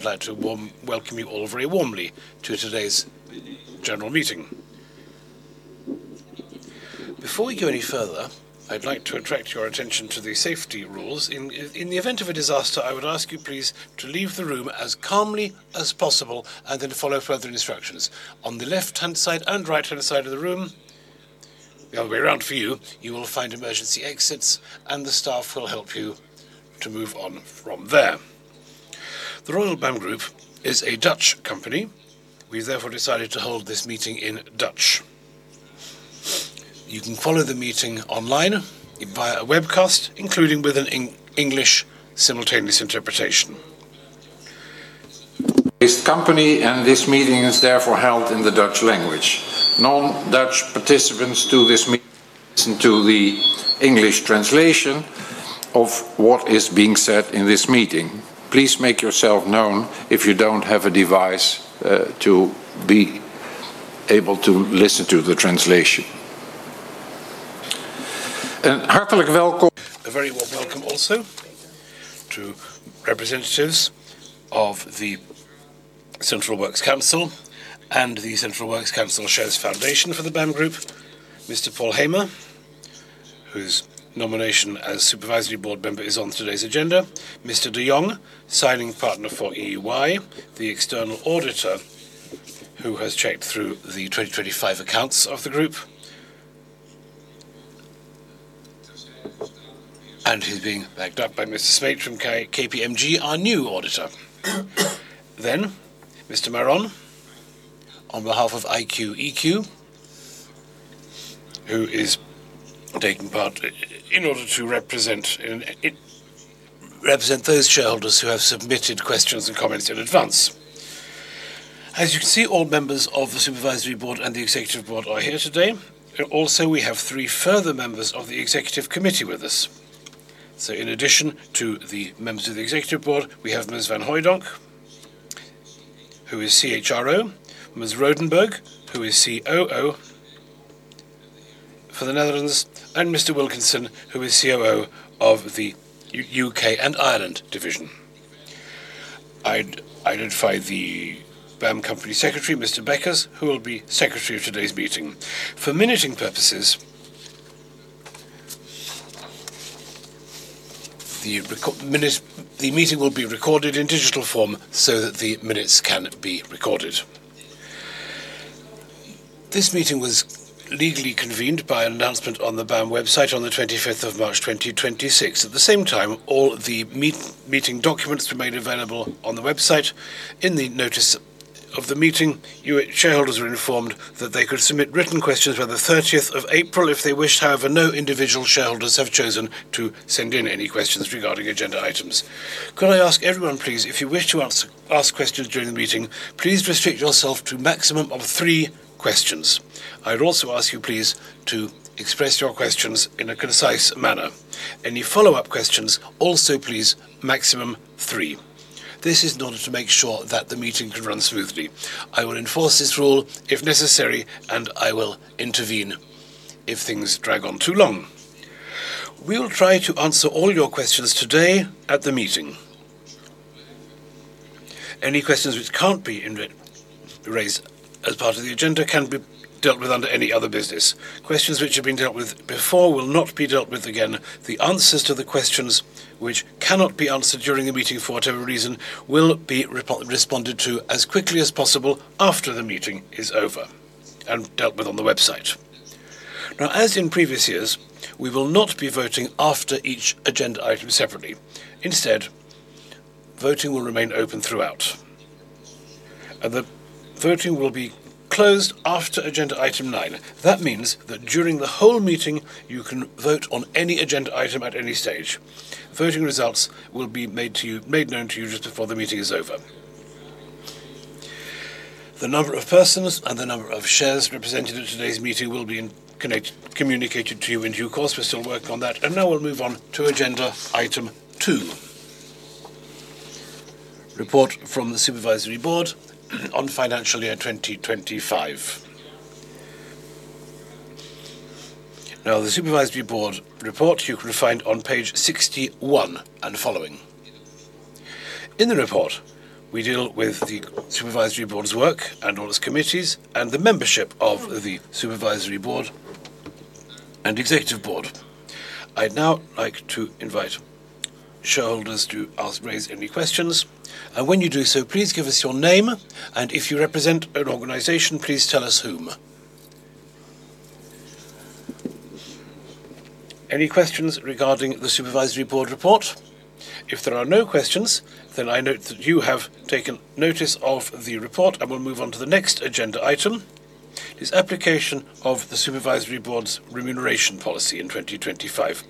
I'd like to welcome you all very warmly to today's general meeting. Before we go any further, I'd like to attract your attention to the safety rules. In the event of a disaster, I would ask you, please, to leave the room as calmly as possible and then follow further instructions. On the left-hand side and right-hand side of the room, the other way around for you will find emergency exits, and the staff will help you to move on from there. The Royal BAM Group is a Dutch company. We've therefore decided to hold this meeting in Dutch. You can follow the meeting online via a webcast, including with an English simultaneous interpretation. This company and this meeting is therefore held in the Dutch language. Non-Dutch participants to this meeting listen to the English translation of what is being said in this meeting. Please make yourself known if you don't have a device to be able to listen to the translation. A very warm welcome also to representatives of the Central Works Council and the Central Works Council Shares Foundation for the BAM Group. Mr. Paul Hamer, whose nomination as Supervisory Board Member is on today's agenda, Mr. De Jong, Signing Partner for EY, the external auditor who has checked through the 2025 accounts of the group. He's being backed up by Mr. Smeets from KPMG, our new auditor, then Mr. Marron, on behalf of IQ-EQ, who is taking part in order to represent those shareholders who have submitted questions and comments in advance. As you can see, all members of the Supervisory Board and the Executive Board are here today. We have three further members of the Executive Committee with us. In addition to the Members of the Executive Board, we have Ms. Van Hoydonk, who is CHRO, Ms. Rodenburg, who is COO for the Netherlands, and Mr. Wilkinson, who is COO of the U.K. and Ireland division. I'd identify the BAM company secretary, Mr. Beckers, who will be secretary of today's meeting. For minuting purposes, the meeting will be recorded in digital form so that the minutes can be recorded. This meeting was legally convened by announcement on the BAM website on the 25th of March, 2026. At the same time, all the meeting documents were made available on the website. In the notice of the meeting, shareholders were informed that they could submit written questions by the 30th of April if they wished. However, no individual shareholders have chosen to send in any questions regarding agenda items. Could I ask everyone, please, if you wish to ask questions during the meeting, please restrict yourself to maximum of three questions. I'd also ask you, please, to express your questions in a concise manner. Any follow-up questions, also, please, maximum three. This is in order to make sure that the meeting can run smoothly. I will enforce this rule if necessary, and I will intervene if things drag on too long. We will try to answer all your questions today at the meeting. Any questions which can't be raised as part of the agenda can be dealt with under any other business. Questions which have been dealt with before will not be dealt with again. The answers to the questions which cannot be answered during the meeting for whatever reason will be responded to as quickly as possible after the meeting is over and dealt with on the website. Now, as in previous years, we will not be voting after each agenda item separately. Instead, voting will remain open throughout. The voting will be closed after Agenda Item 9. That means that during the whole meeting, you can vote on any agenda item at any stage. Voting results will be made known to you just before the meeting is over. The number of persons and the number of shares represented at today's meeting will be communicated to you in due course so we're still working on that. Now we'll move on to Agenda Item 2, report from the Supervisory Board on financial year 2025. The Supervisory Board report you can find on page 61 and following. In the report, we deal with the Supervisory Board's work and all its committees and the membership of the Supervisory Board and Executive Board. I'd now like to invite shareholders to raise any questions. When you do so, please give us your name. If you represent an organization, please tell us whom. Any questions regarding the Supervisory Board report? If there are no questions, then I note that you have taken notice of the report, and we'll move on to the next agenda item. It is application of the Supervisory Board's remuneration policy in 2025.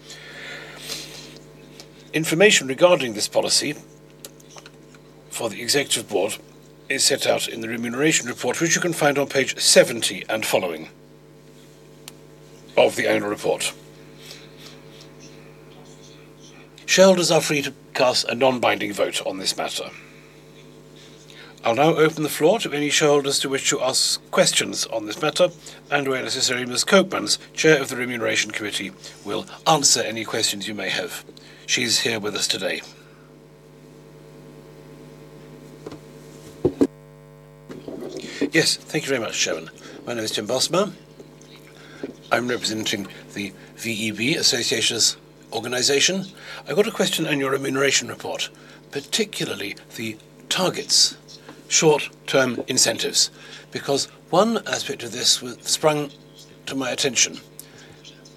Information regarding this policy for the Executive Board is set out in the remuneration report, which you can find on page 70 and following of the annual report. Shareholders are free to cast a non-binding vote on this matter. I'll now open the floor to any shareholders to which you ask questions on this matter, and where necessary, Ms. Koopmans, Chair of the Remuneration Committee, will answer any questions you may have. She's here with us today. Yes, thank you very much, Chairman. My name is Tim Bosma. I'm representing the VEB associations organization. I've got a question on your remuneration report, particularly the targets, short-term incentives, because one aspect of this sprung to my attention,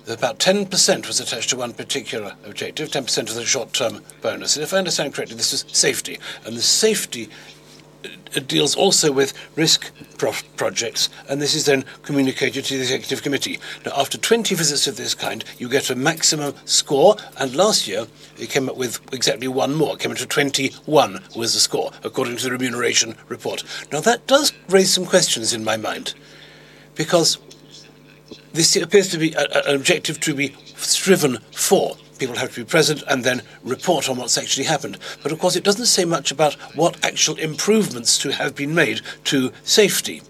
that about 10% was attached to one particular objective, 10% of the short-term bonus. If I understand correctly, this is safety. The safety, it deals also with risk projects, and this is then communicated to the Executive Committee. After 20 visits of this kind, you get a maximum score, and last year it came up with exactly one more. It came into 21 was the score, according to the remuneration report. That does raise some questions in my mind, because this appears to be an objective to be striven for. People have to be present and then report on what's actually happened and of course it doesn't say much about what actual improvements to have been made to safety.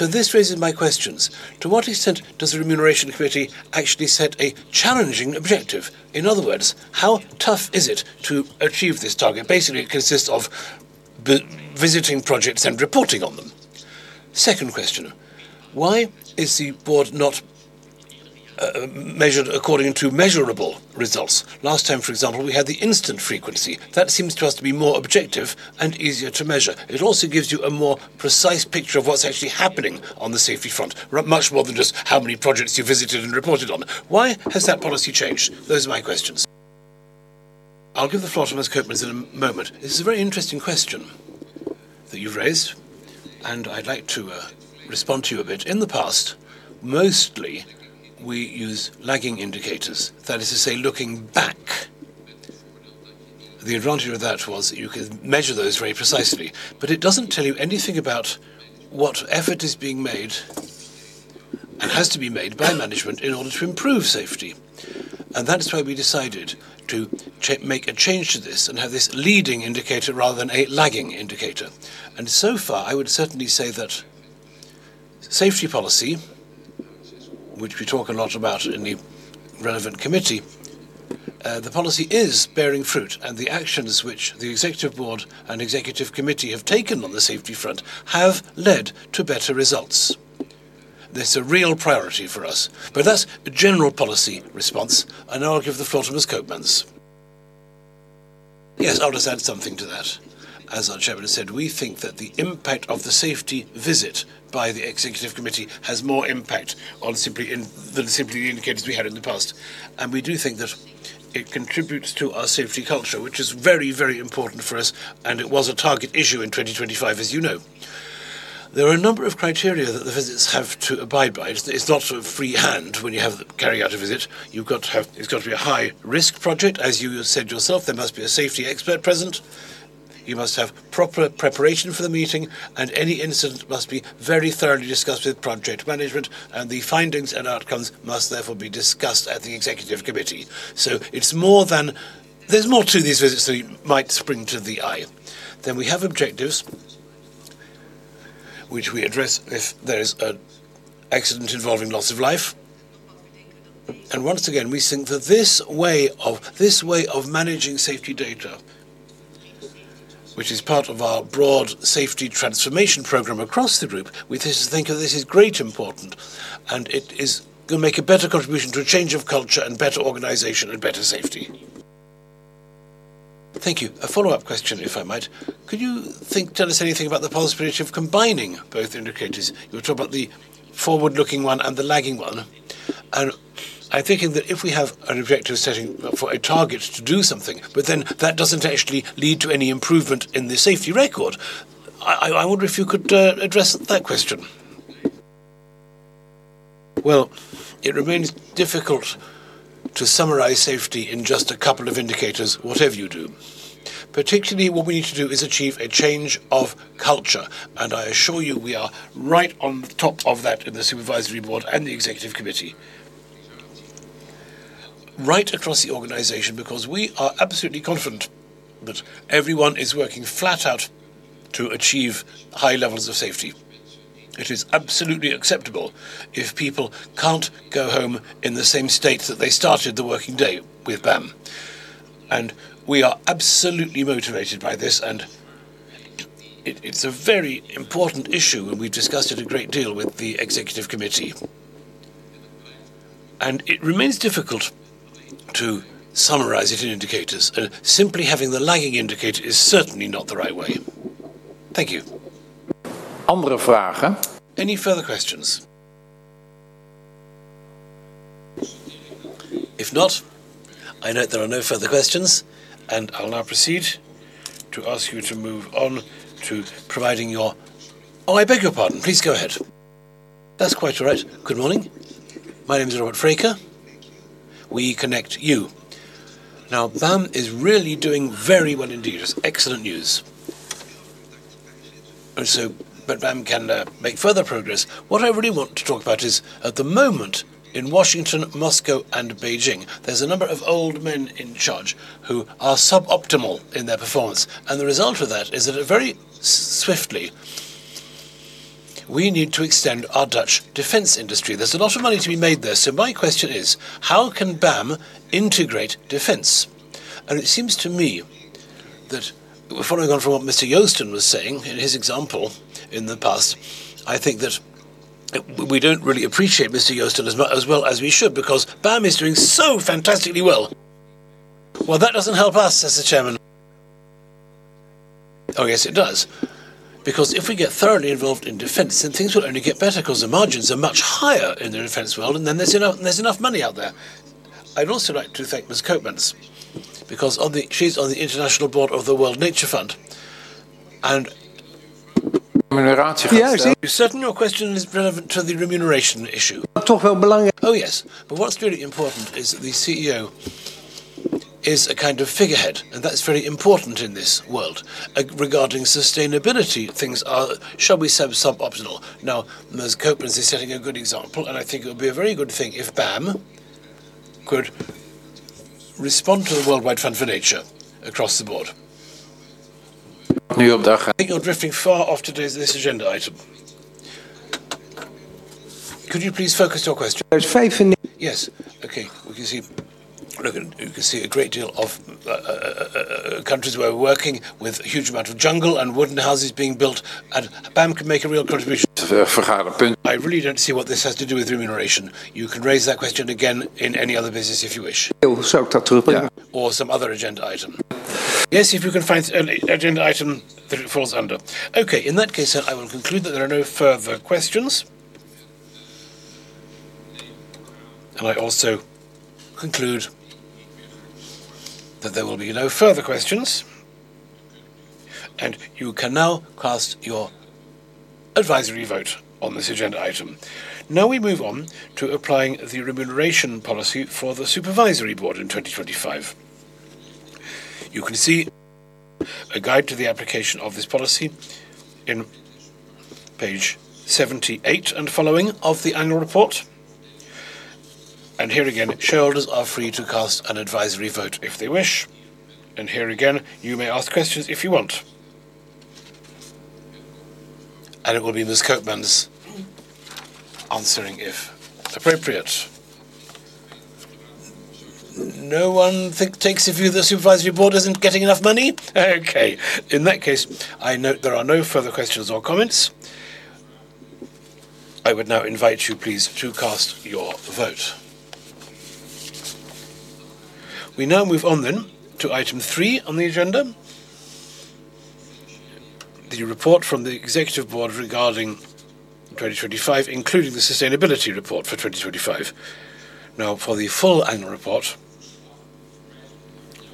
This raises my questions. To what extent does the Remuneration Committee actually set a challenging objective? In other words, how tough is it to achieve this target? Basically, it consists of visiting projects and reporting on them. Second question, why is the board not measured according to measurable results? Last time, for example, we had the incident frequency. That seems to us to be more objective and easier to measure. It also gives you a more precise picture of what's actually happening on the safety front, much more than just how many projects you visited and reported on. Why has that policy changed? Those are my questions. I'll give the floor to Ms. Koopmans in a moment. This is a very interesting question that you've raised, and I'd like to respond to you a bit. In the past, mostly we used lagging indicators, that is to say, looking back. The advantage of that was you could measure those very precisely. It doesn't tell you anything about what effort is being made and has to be made by management in order to improve safety and that is why we decided to make a change to this and have this leading indicator rather than a lagging indicator. So far, I would certainly say that safety policy, which we talk a lot about in the relevant committee, the policy is bearing fruit, and the actions which the Executive Board and Executive Committee have taken on the safety front have led to better results. That's a real priority for us. That's a general policy response, and I'll give the floor to Ms. Koopmans. Yes, I'll just add something to that. As our chairman said, we think that the impact of the safety visit by the Executive Committee has more impact on simply in than simply the indicators we had in the past. We do think that it contributes to our safety culture, which is very, very important for us, and it was a target issue in 2025, as you know. There are a number of criteria that the visits have to abide by so it's not a free hand when you have carry out a visit. It's got to be a high-risk project. As you said yourself, there must be a safety expert present. You must have proper preparation for the meeting, and any incident must be very thoroughly discussed with project management, and the findings and outcomes must therefore be discussed at the Executive Committee. There's more to these visits than might spring to the eye. We have objectives which we address if there is an accident involving loss of life. Once again, we think that this way of managing safety data, which is part of our broad safety transformation program across the group, we just think that this is great important, and it is gonna make a better contribution to a change of culture and better organization and better safety. Thank you. A follow-up question, if I might. Could you tell us anything about the possibility of combining both indicators? You were talking about the forward-looking one and the lagging one. I'm thinking that if we have an objective setting for a target to do something, but then that doesn't actually lead to any improvement in the safety record, I wonder if you could address that question. Well, it remains difficult to summarize safety in just a couple of indicators, whatever you do. Particularly, what we need to do is achieve a change of culture, and I assure you we are right on top of that in the Supervisory Board and the Executive Committee, right across the organization, because we are absolutely confident that everyone is working flat out to achieve high levels of safety. It is absolutely acceptable if people can't go home in the same state that they started the working day with BAM. We are absolutely motivated by this, it's a very important issue, and we've discussed it a great deal with the Executive Committee. It remains difficult to summarize it in indicators, and simply having the lagging indicator is certainly not the right way. Thank you. Any further questions? If not, I note there are no further questions, and I'll now proceed to ask you to move on to providing your- Oh, I beg your pardon. Please go ahead. That's quite all right. Good morning. My name is Robert Fraker. We connect you. Now, BAM is really doing very well indeed. It's excellent news. But BAM can make further progress. What I really want to talk about is, at the moment, in Washington, Moscow, and Beijing, there's a number of old men in charge who are suboptimal in their performance. The result of that is that very swiftly. We need to extend our Dutch defense industry. There's a lot of money to be made there. My question is, how can BAM integrate defense? It seems to me that, following on from what Mr. Joosten was saying in his example in the past, I think that we don't really appreciate Mr. Joosten as well as we should because BAM is doing so fantastically well. That doesn't help us, says the chairman. Yes it does, because if we get thoroughly involved in defense, then things will only get better 'cause the margins are much higher in the defense world, and then there's enough money out there. I'd also like to thank Ms. Koopmans, because she's on the international board of the World Wide Fund for Nature. Are you certain your question is relevant to the remuneration issue? Yes. What's really important is that the CEO is a kind of figurehead, and that's very important in this world. Regarding sustainability, things are shall we say suboptimal. Now, Ms. Koopmans is setting a good example, and I think it would be a very good thing if BAM could respond to the World Wide Fund for Nature across the board. I think you are drifting far off today's this agenda item. Could you please focus your question? Yes. Okay. You can see a great deal of countries where we are working with huge amount of jungle and wooden houses being built, and BAM can make a real contribution. I really do not see what this has to do with remuneration. You can raise that question again in any other business if you wish. Yeah, or some other agenda item. Yes, if you can find an agenda item that it falls under. Okay, in that case, I will conclude that there are no further questions. I also conclude that there will be no further questions. You can now cast your advisory vote on this agenda item. Now we move on to applying the remuneration policy for the Supervisory Board in 2025. You can see a guide to the application of this policy in page 78 and following of the annual report. Here again, shareholders are free to cast an advisory vote if they wish. Here again, you may ask questions if you want. It will be Ms. Koopmans answering if appropriate. No one thinks the view of the Supervisory Board isn't getting enough money? Okay. In that case, I note there are no further questions or comments. I would now invite you, please, to cast your vote. We now move on to Item 3 on the agenda, the report from the Executive Board regarding 2025, including the sustainability report for 2025. For the full annual report,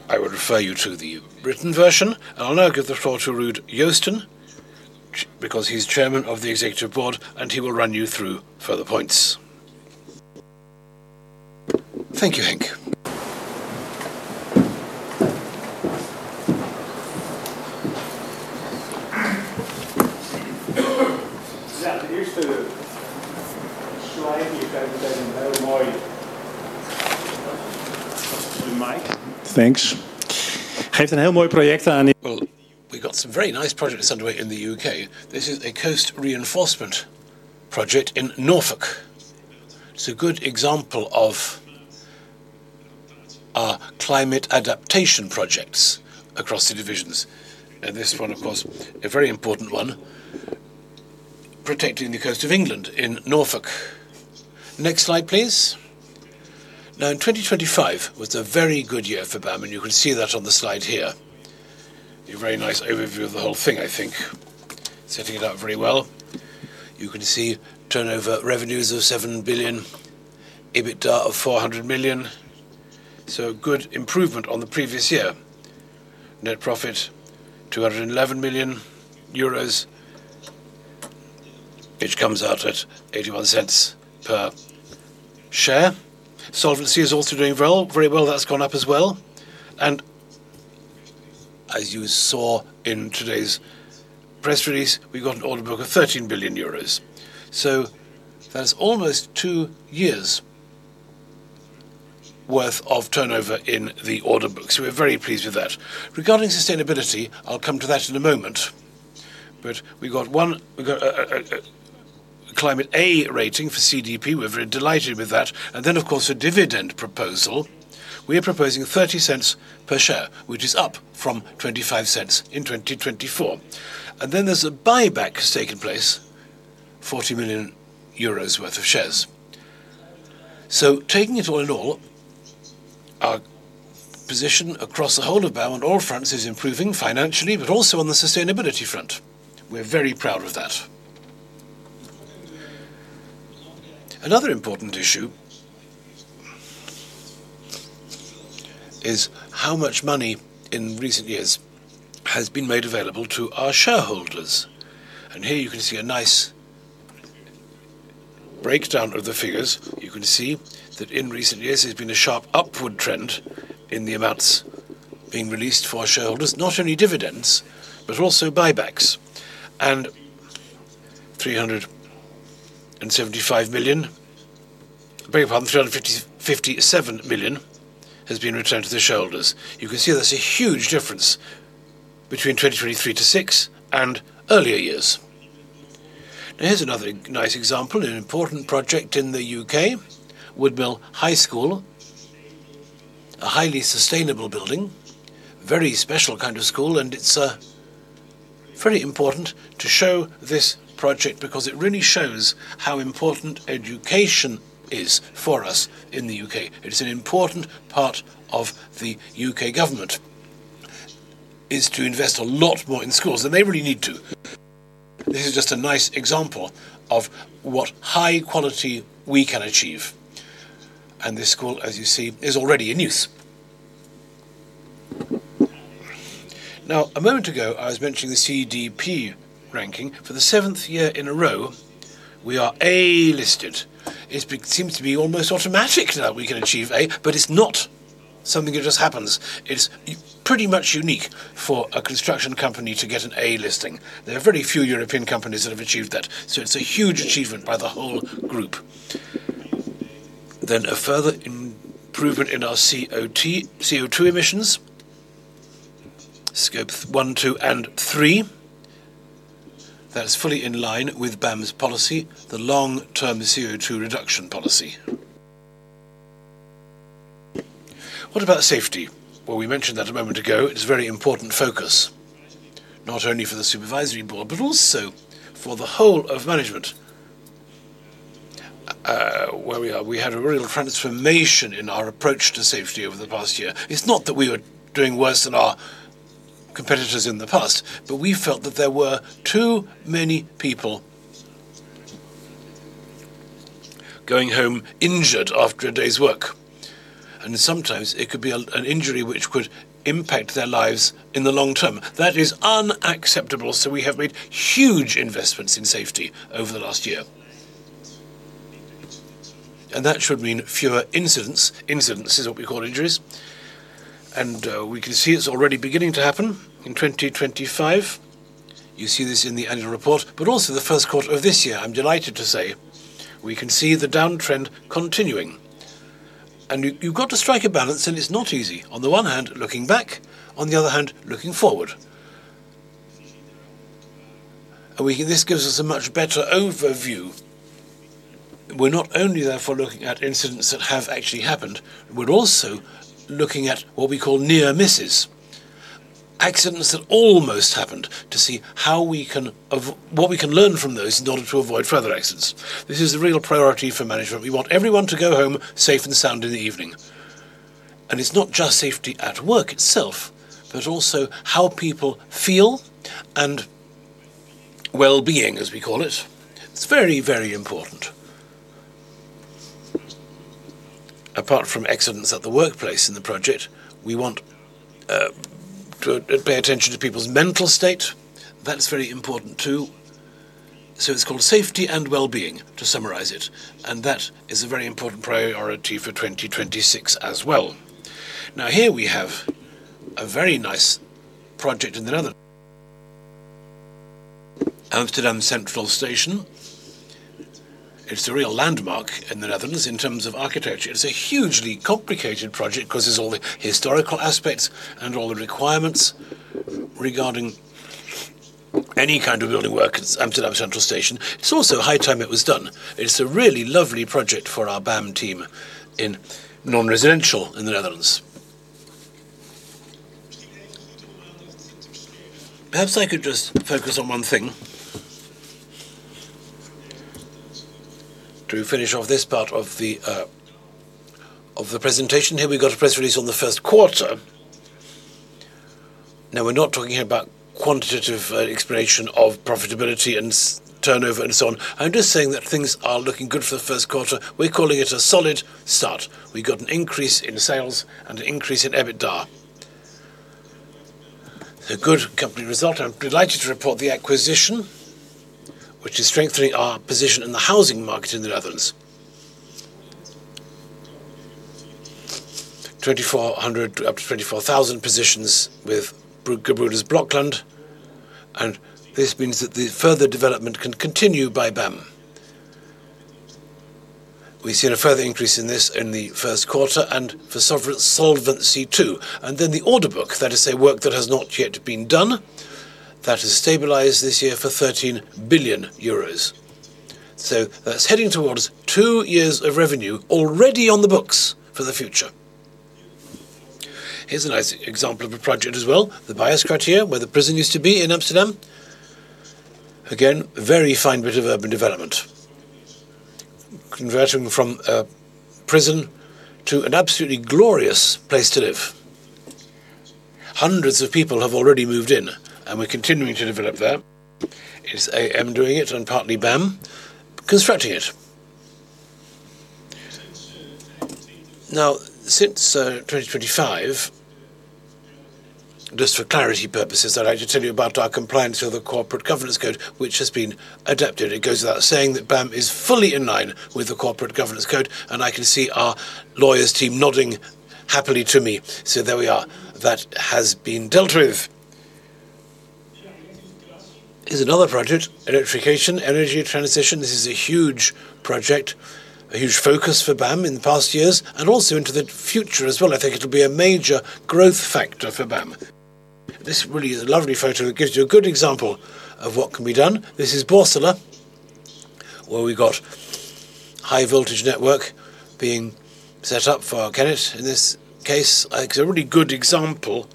I would refer you to the written version. I'll now give the floor to Ruud Joosten because he's Chairman of the Executive Board, and he will run you through further points. Thank you, Henk. Thanks. Well, we've got some very nice projects underway in the U.K. This is a coast reinforcement project in Norfolk. It's a good example of our climate adaptation projects across the divisions. This one, of course, a very important one, protecting the coast of England in Norfolk. Next slide, please. In 2025 was a very good year for BAM, you can see that on the slide here. A very nice overview of the whole thing, I think, setting it out very well. You can see turnover revenues of 7 billion, EBITDA of 400 million so good improvement on the previous year. Net profit 211 million euros, which comes out at 0.81 per share. Solvency is also doing well, very well. That's gone up as well. As you saw in today's press release, we've got an order book of 13 billion euros. That's almost two years' worth of turnover in the order books so we're very pleased with that. Regarding sustainability, I'll come to that in a moment. We got a climate A rating for CDP. We're very delighted with that. Of course, a dividend proposal. We are proposing 0.30 per share, which is up from 0.25 in 2024 and there's a buyback has taken place, 40 million euros worth of shares. Our position across the whole of BAM on all fronts is improving financially, but also on the sustainability front. We're very proud of that. Another important issue is how much money in recent years has been made available to our shareholders and here you can see a nice breakdown of the figures. You can see that in recent years, there's been a sharp upward trend in the amounts being released for our shareholders, not only dividends, but also buybacks. 357 million has been returned to the shareholders. You can see there's a huge difference between 2023 to six and earlier years. Here's another nice example, an important project in the U.K., Woodmill High School. A highly sustainable building, very special kind of school, it's very important to show this project because it really shows how important education is for us in the U.K. It is an important part of the U.K. government, is to invest a lot more in schools, they really need to. This is just a nice example of what high quality we can achieve and this school, as you see, is already in use. Now, a moment ago, I was mentioning the CDP ranking. For the seventh year in a row, we are A-listed. It seems to be almost automatic now we can achieve A, it's not something that just happens. It's pretty much unique for a construction company to get an A listing. There are very few European companies that have achieved that, so it's a huge achievement by the whole group. A further improvement in our CO2 emissions, Scope 1, 2, and 3, that is fully in line with BAM's policy, the long-term CO2 reduction policy. What about safety? Well, we mentioned that a moment ago. It's a very important focus, not only for the Supervisory Board, but also for the whole of management. Where we are, we had a real transformation in our approach to safety over the past year. It's not that we were doing worse than our competitors in the past, but we felt that there were too many people going home injured after a day's work, and sometimes it could be an injury which could impact their lives in the long term. That is unacceptable so we have made huge investments in safety over the last year and that should mean fewer incidents. Incidents is what we call injuries. We can see it's already beginning to happen in 2025. You see this in the annual report, but also the first quarter of this year, I'm delighted to say. We can see the downtrend continuing. You've got to strike a balance, and it's not easy. On the one hand, looking back, on the other hand, looking forward. This gives us a much better overview. We're not only therefore looking at incidents that have actually happened. We're also looking at what we call near misses, accidents that almost happened, to see what we can learn from those in order to avoid further accidents. This is a real priority for management. We want everyone to go home safe and sound in the evening. It's not just safety at work itself, but also how people feel and wellbeing, as we call it. It's very, very important. Apart from accidents at the workplace in the project, we want to pay attention to people's mental state. That's very important too. It's called safety and wellbeing, to summarize it, and that is a very important priority for 2026 as well. Now here we have a very nice project in the Netherlands. Amsterdam Central Station. It's a real landmark in the Netherlands in terms of architecture. It's a hugely complicated project 'cause there's all the historical aspects and all the requirements regarding any kind of building work. It's Amsterdam Central Station. It's also high time it was done. It's a really lovely project for our BAM team in non-residential in the Netherlands. Perhaps I could just focus on one thing to finish off this part of the presentation here. We got a press release on the first quarter. We're not talking here about quantitative explanation of profitability and turnover and so on. I'm just saying that things are looking good for the first quarter. We're calling it a solid start. We got an increase in sales and an increase in EBITDA. A good company result. I'm delighted to report the acquisition, which is strengthening our position in the housing market in the Netherlands. 2,400 up to 24,000 positions with Gebroeders Blokland, and this means that the further development can continue by BAM. We've seen a further increase in this in the first quarter and for solvency too. The order book, that is say work that has not yet been done, that has stabilized this year for 13 billion euros. That's heading towards two years of revenue already on the books for the future. Here's a nice example of a project as well, the Bajeskwartier, where the prison used to be in Amsterdam. Again, very fine bit of urban development. Converting from a prison to an absolutely glorious place to live. Hundreds of people have already moved in, and we're continuing to develop that. It's AM doing it and partly BAM constructing it. Now, since 2025, just for clarity purposes, I'd like to tell you about our compliance with the Corporate Governance Code, which has been adapted. It goes without saying that BAM is fully in line with the Corporate Governance Code, and I can see our lawyers team nodding happily to me so there we are. That has been dealt with. Here's another project, electrification, energy transition. This is a huge project, a huge focus for BAM in the past years, and also into the future as well. I think it'll be a major growth factor for BAM. This really is a lovely photo. It gives you a good example of what can be done. This is Borssele, where we got high-voltage network being set up for our TenneT. In this case, it's a really good example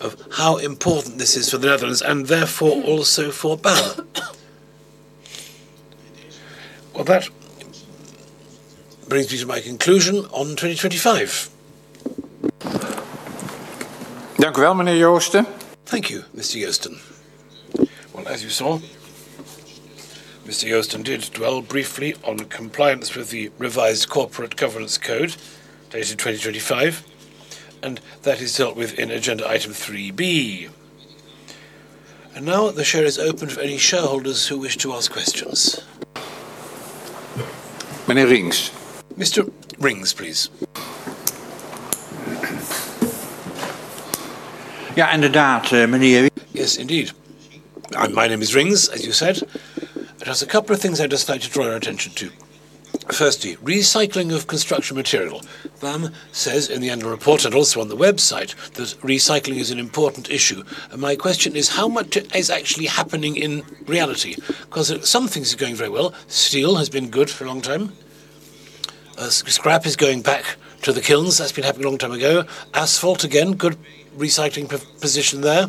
of how important this is for the Netherlands, and therefore also for BAM. That brings me to my conclusion on 2025. Thank you, Mr. Joosten. Well, as you saw, Mr. Joosten did dwell briefly on compliance with the revised Dutch Corporate Governance Code dated 2025, and that is dealt with in agenda Item3 B. Now the share is open for any shareholders who wish to ask questions. Mr. Rinks, please. Yes, indeed. My name is Rinks, as you said. There's a couple of things I'd just like to draw your attention to. Firstly, recycling of construction material. BAM says in the annual report, and also on the website, that recycling is an important issue. My question is, how much is actually happening in reality cause some things are going very well. Steel has been good for a long time. Scrap is going back to the kilns. That's been happening a long time ago. Asphalt, again, good recycling position there.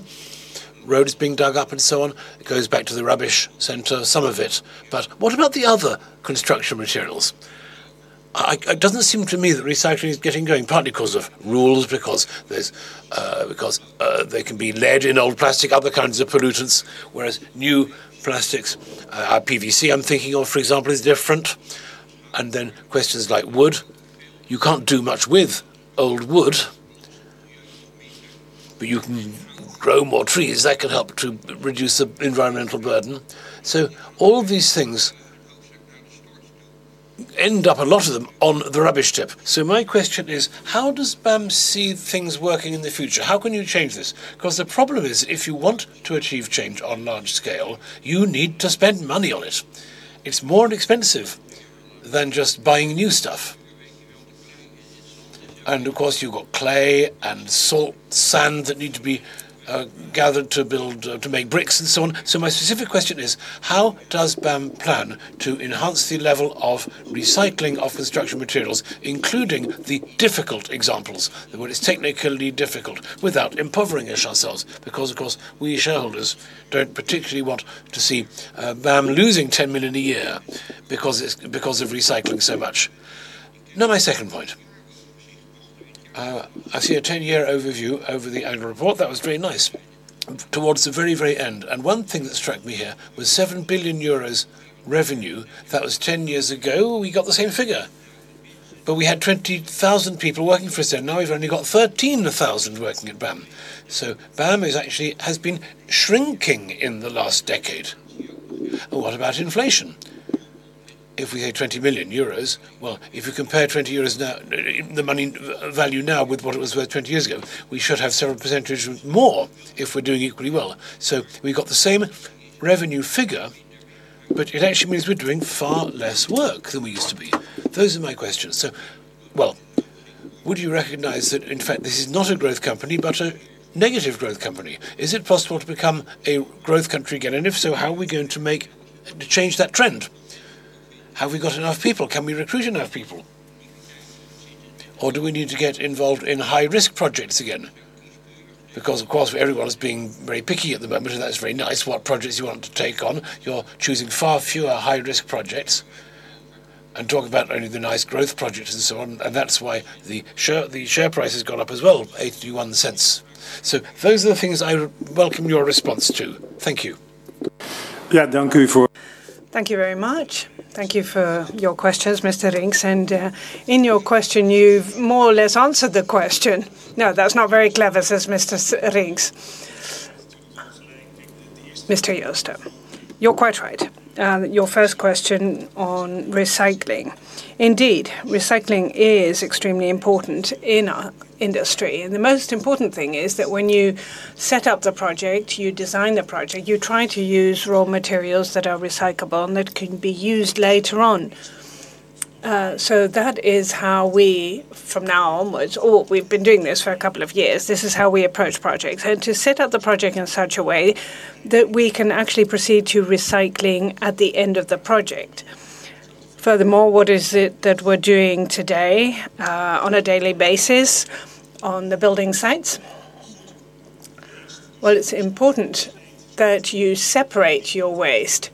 Road is being dug up, and so on. It goes back to the rubbish center, some of it. What about the other construction materials? I, it doesn't seem to me that recycling is getting going, partly because of rules, because there can be lead in old plastic, other kinds of pollutants, whereas new plastics, PVC, I'm thinking of, for example, is different and then questions like wood. You can't do much with old wood, you can grow more trees. That could help to reduce the environmental burden. All these things end up, a lot of them, on the rubbish tip. My question is, how does BAM see things working in the future? How can you change this? 'Cause the problem is, if you want to achieve change on large scale, you need to spend money on it. It's more expensive than just buying new stuff. Of course, you've got clay and silt, sand that need to be gathered to build, to make bricks, and so on. My specific question is, how does BAM plan to enhance the level of recycling of construction materials, including the difficult examples, what is technically difficult, without impoverishing ourselves because, of course, we shareholders don't particularly want to see BAM losing 10 million a year because of recycling so much. My second point. I see a 10-year overview over the annual report. That was very nice, towards the very, very end. One thing that struck me here was 7 billion euros revenue. That was 10 years ago, we got the same figure. We had 20,000 people working for us then. We've only got 13,000 working at BAM. BAM is actually, has been shrinking in the last decade. What about inflation? If we take 20 million euros, well, if you compare 20 million euros now, the money value now with what it was worth 20 years ago, we should have several percent more if we're doing equally well. We've got the same revenue figure, but it actually means we're doing far less work than we used to be. Those are my questions. Well, would you recognize that, in fact, this is not a growth company, but a negative growth company? Is it possible to become a growth company again? If so, how are we going to change that trend? Have we got enough people? Can we recruit enough people? Do we need to get involved in high-risk projects again? Of course, everyone is being very picky at the moment, and that's very nice what projects you want to take on. You're choosing far fewer high-risk projects, and talk about only the nice growth projects, and so on. That's why the share, the share price has gone up as well, 0.81. Those are the things I welcome your response to. Thank you. Thank you very much. Thank you for your questions, Mr. Rinks. In your question, you've more or less answered the question. No, that's not very clever. Mr. Joosten. You're quite right. Your first question on recycling. Indeed, recycling is extremely important in our industry. The most important thing is that when you set up the project, you design the project, you try to use raw materials that are recyclable and that can be used later on. That is how we, from now onwards, or we've been doing this for a couple of years, this is how we approach projects. To set up the project in such a way that we can actually proceed to recycling at the end of the project. Futhermore, what is it that we're doing today on a daily basis on the building sites? It's important that you separate your waste.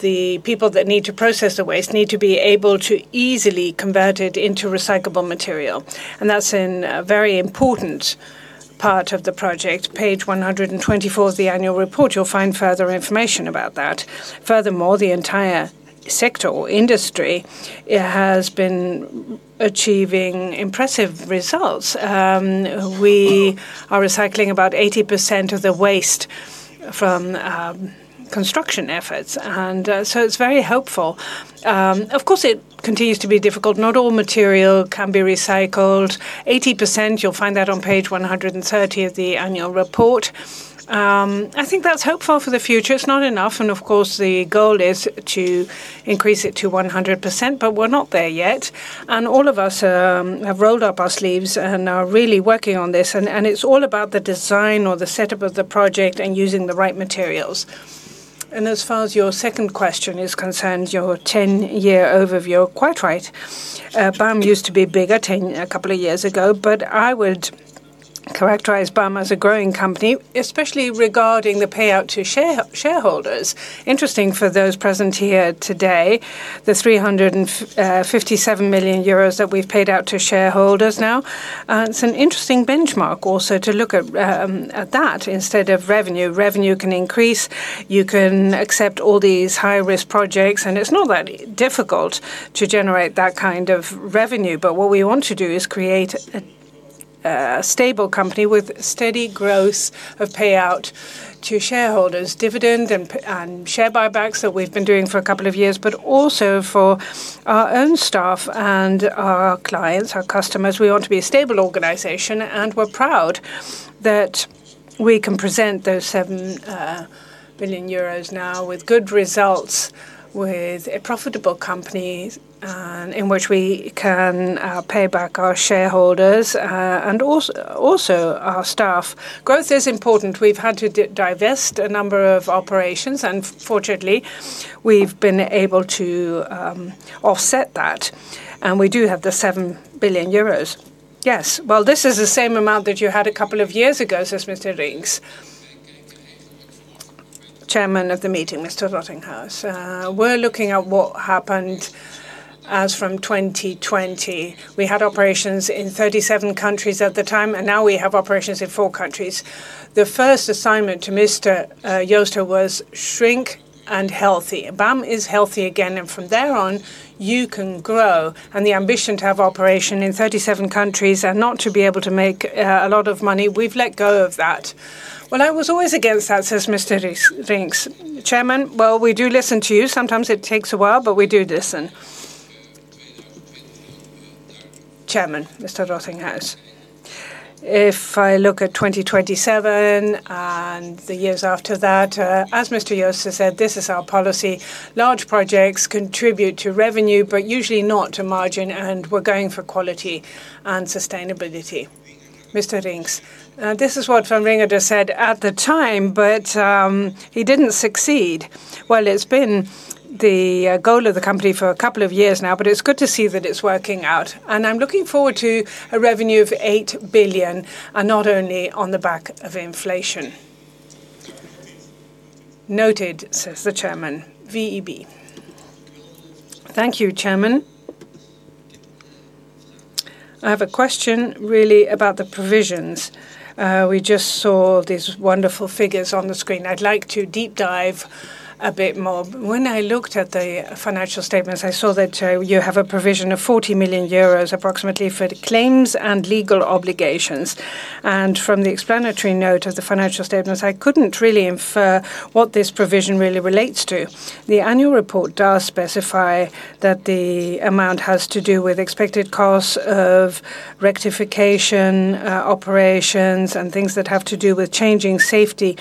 The people that need to process the waste need to be able to easily convert it into recyclable material and that's a very important part of the project. Page 124 of the annual report, you'll find further information about that. The entire sector or industry has been achieving impressive results. We are recycling about 80% of the waste from construction efforts. It's very helpful. Of course it continues to be difficult. Not all material can be recycled. 80%, you'll find that on page 130 of the annual report. I think that's hopeful for the future. It's not enough. Of course, the goal is to increase it to 100%. We're not there yet. All of us have rolled up our sleeves and are really working on this. It's all about the design or the setup of the project and using the right materials. As far as your second question is concerned, your 10-year overview, quite right. BAM used to be bigger 10 a couple of years ago. I would characterize BAM as a growing company, especially regarding the payout to shareholders. Interesting for those present here today, the 357 million euros that we've paid out to shareholders now. It's an interesting benchmark also to look at that instead of revenue. Revenue can increase. You can accept all these high-risk projects, and it's not that difficult to generate that kind of revenue. What we want to do is create a stable company with steady growth of payout to shareholders, dividend and share buybacks that we've been doing for a couple of years, but also for our own staff and our clients, our customers. We want to be a stable organization, and we're proud that we can present those 7 billion euros now with good results with a profitable company, in which we can pay back our shareholders and also our staff. Growth is important. We've had to divest a number of operations, and fortunately, we've been able to offset that, and we do have the 7 billion euros. Yes, but this is the same amount that you had a couple of years ago. We're looking at what happened as from 2020. We had operations in 37 countries at the time, and now we have operations in four countries. The first assignment to Mr. Joosten was shrink and healthy. BAM is healthy again, and from there on, you can grow. The ambition to have operation in 37 countries and not to be able to make a lot of money, we've let go of that. I was always against that. We do listen to you. Sometimes it takes a while, but we do listen. If I look at 2027 and the years after that, as Mr. Joosten said, this is our policy. Large projects contribute to revenue, but usually not to margin, and we're going for quality and sustainability. This is what van Wingerden just said at the time, but he didn't succeed. It's been the goal of the company for a couple of years now, but it's good to see that it's working out. I'm looking forward to a revenue of 8 billion and not only on the back of inflation. Noted. VEB. Thank you, Chairman. I have a question really about the provisions. We just saw these wonderful figures on the screen. I'd like to deep dive a bit more. When I looked at the financial statements, I saw that you have a provision of 40 million euros approximately for claims and legal obligations. From the explanatory note of the financial statements, I couldn't really infer what this provision really relates to. The annual report does specify that the amount has to do with expected costs of rectification, operations, and things that have to do with changing safety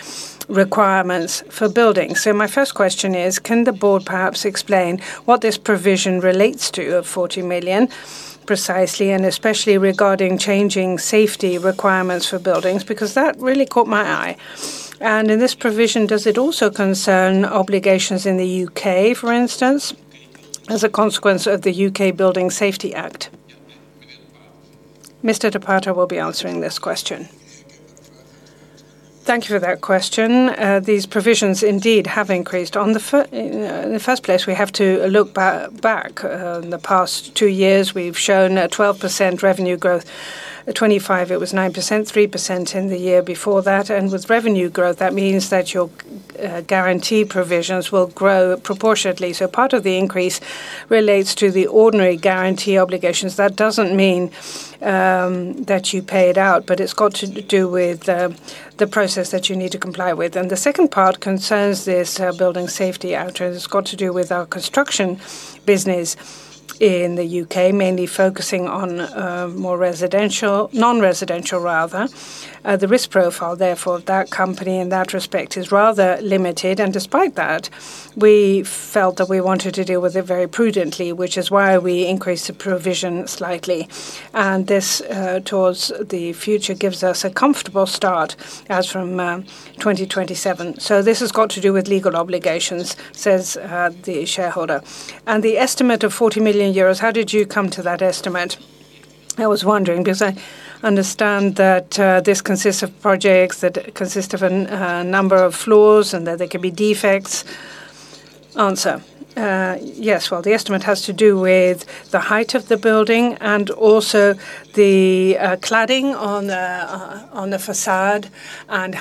requirements for buildings. My first question is, can the board perhaps explain what this provision relates to of 40 million precisely, and especially regarding changing safety requirements for buildings? That really caught my eye. In this provision, does it also concern obligations in the U.K., for instance, as a consequence of the U.K. Building Safety Act? Mr. de Pater will be answering this question. Thank you for that question. These provisions indeed have increased. In the first place, we have to look back. In the past two years, we've shown a 12% revenue growth. At 25, it was 9%, 3% in the year before that. With revenue growth, that means that your guarantee provisions will grow proportionately. Part of the increase relates to the ordinary guarantee obligations. That doesn't mean that you pay it out, but it's got to do with the process that you need to comply with. The second part concerns this Building Safety Act. It's got to do with our construction business in the U.K., mainly focusing on more residential non-residential rather. The risk profile, therefore, of that company in that respect is rather limited. Despite that, we felt that we wanted to deal with it very prudently, which is why we increased the provision slightly. This towards the future gives us a comfortable start as from 2027. T This has got to do with legal obligations, says the shareholder. The estimate of 40 million euros, how did you come to that estimate? I was wondering, because I understand that this consists of projects that consist of a number of floors and that there could be defects. Yes. The estimate has to do with the height of the building and also the cladding on the facade and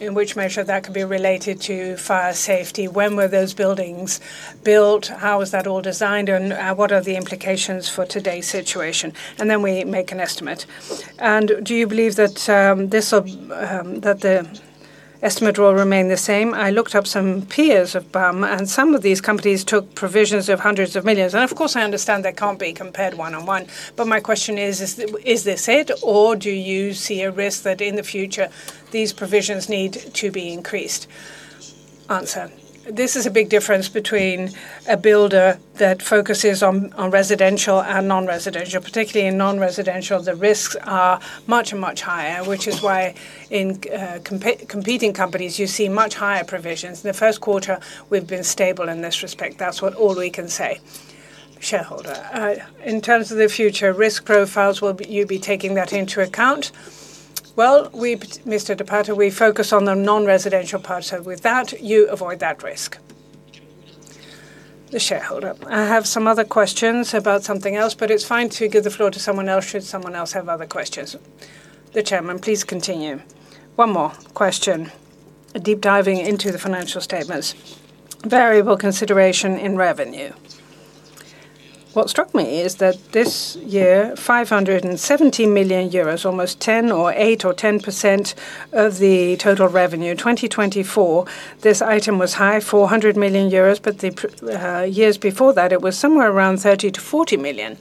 in which measure that could be related to fire safety. When were those buildings built? How was that all designed? What are the implications for today's situation? We make an estimate. Do you believe that the estimate will remain the same? I looked up some peers of BAM, and some of these companies took provisions of hundreds of millions euros. Of course, I understand they can't be compared one-on-one, but my question is this it, or do you see a risk that in the future these provisions need to be increased? This is a big difference between a builder that focuses on residential and non-residential. Particularly in non-residential, the risks are much, much higher, which is why in competing companies you see much higher provisions. In the first quarter we've been stable in this respect. That's what all we can say. In terms of the future risk profiles, will you be taking that into account? We focus on the non-residential parts. With that, you avoid that risk. I have some other questions about something else, but it's fine to give the floor to someone else should someone else have other questions. Please continue. One more question, deep diving into the financial statements. Variable consideration in revenue. What struck me is that this year, 570 million euros, almost 10% or 8% or 10% of the total revenue. 2024, this item was high, 400 million euros, the years before that it was somewhere around 30 million-40 million.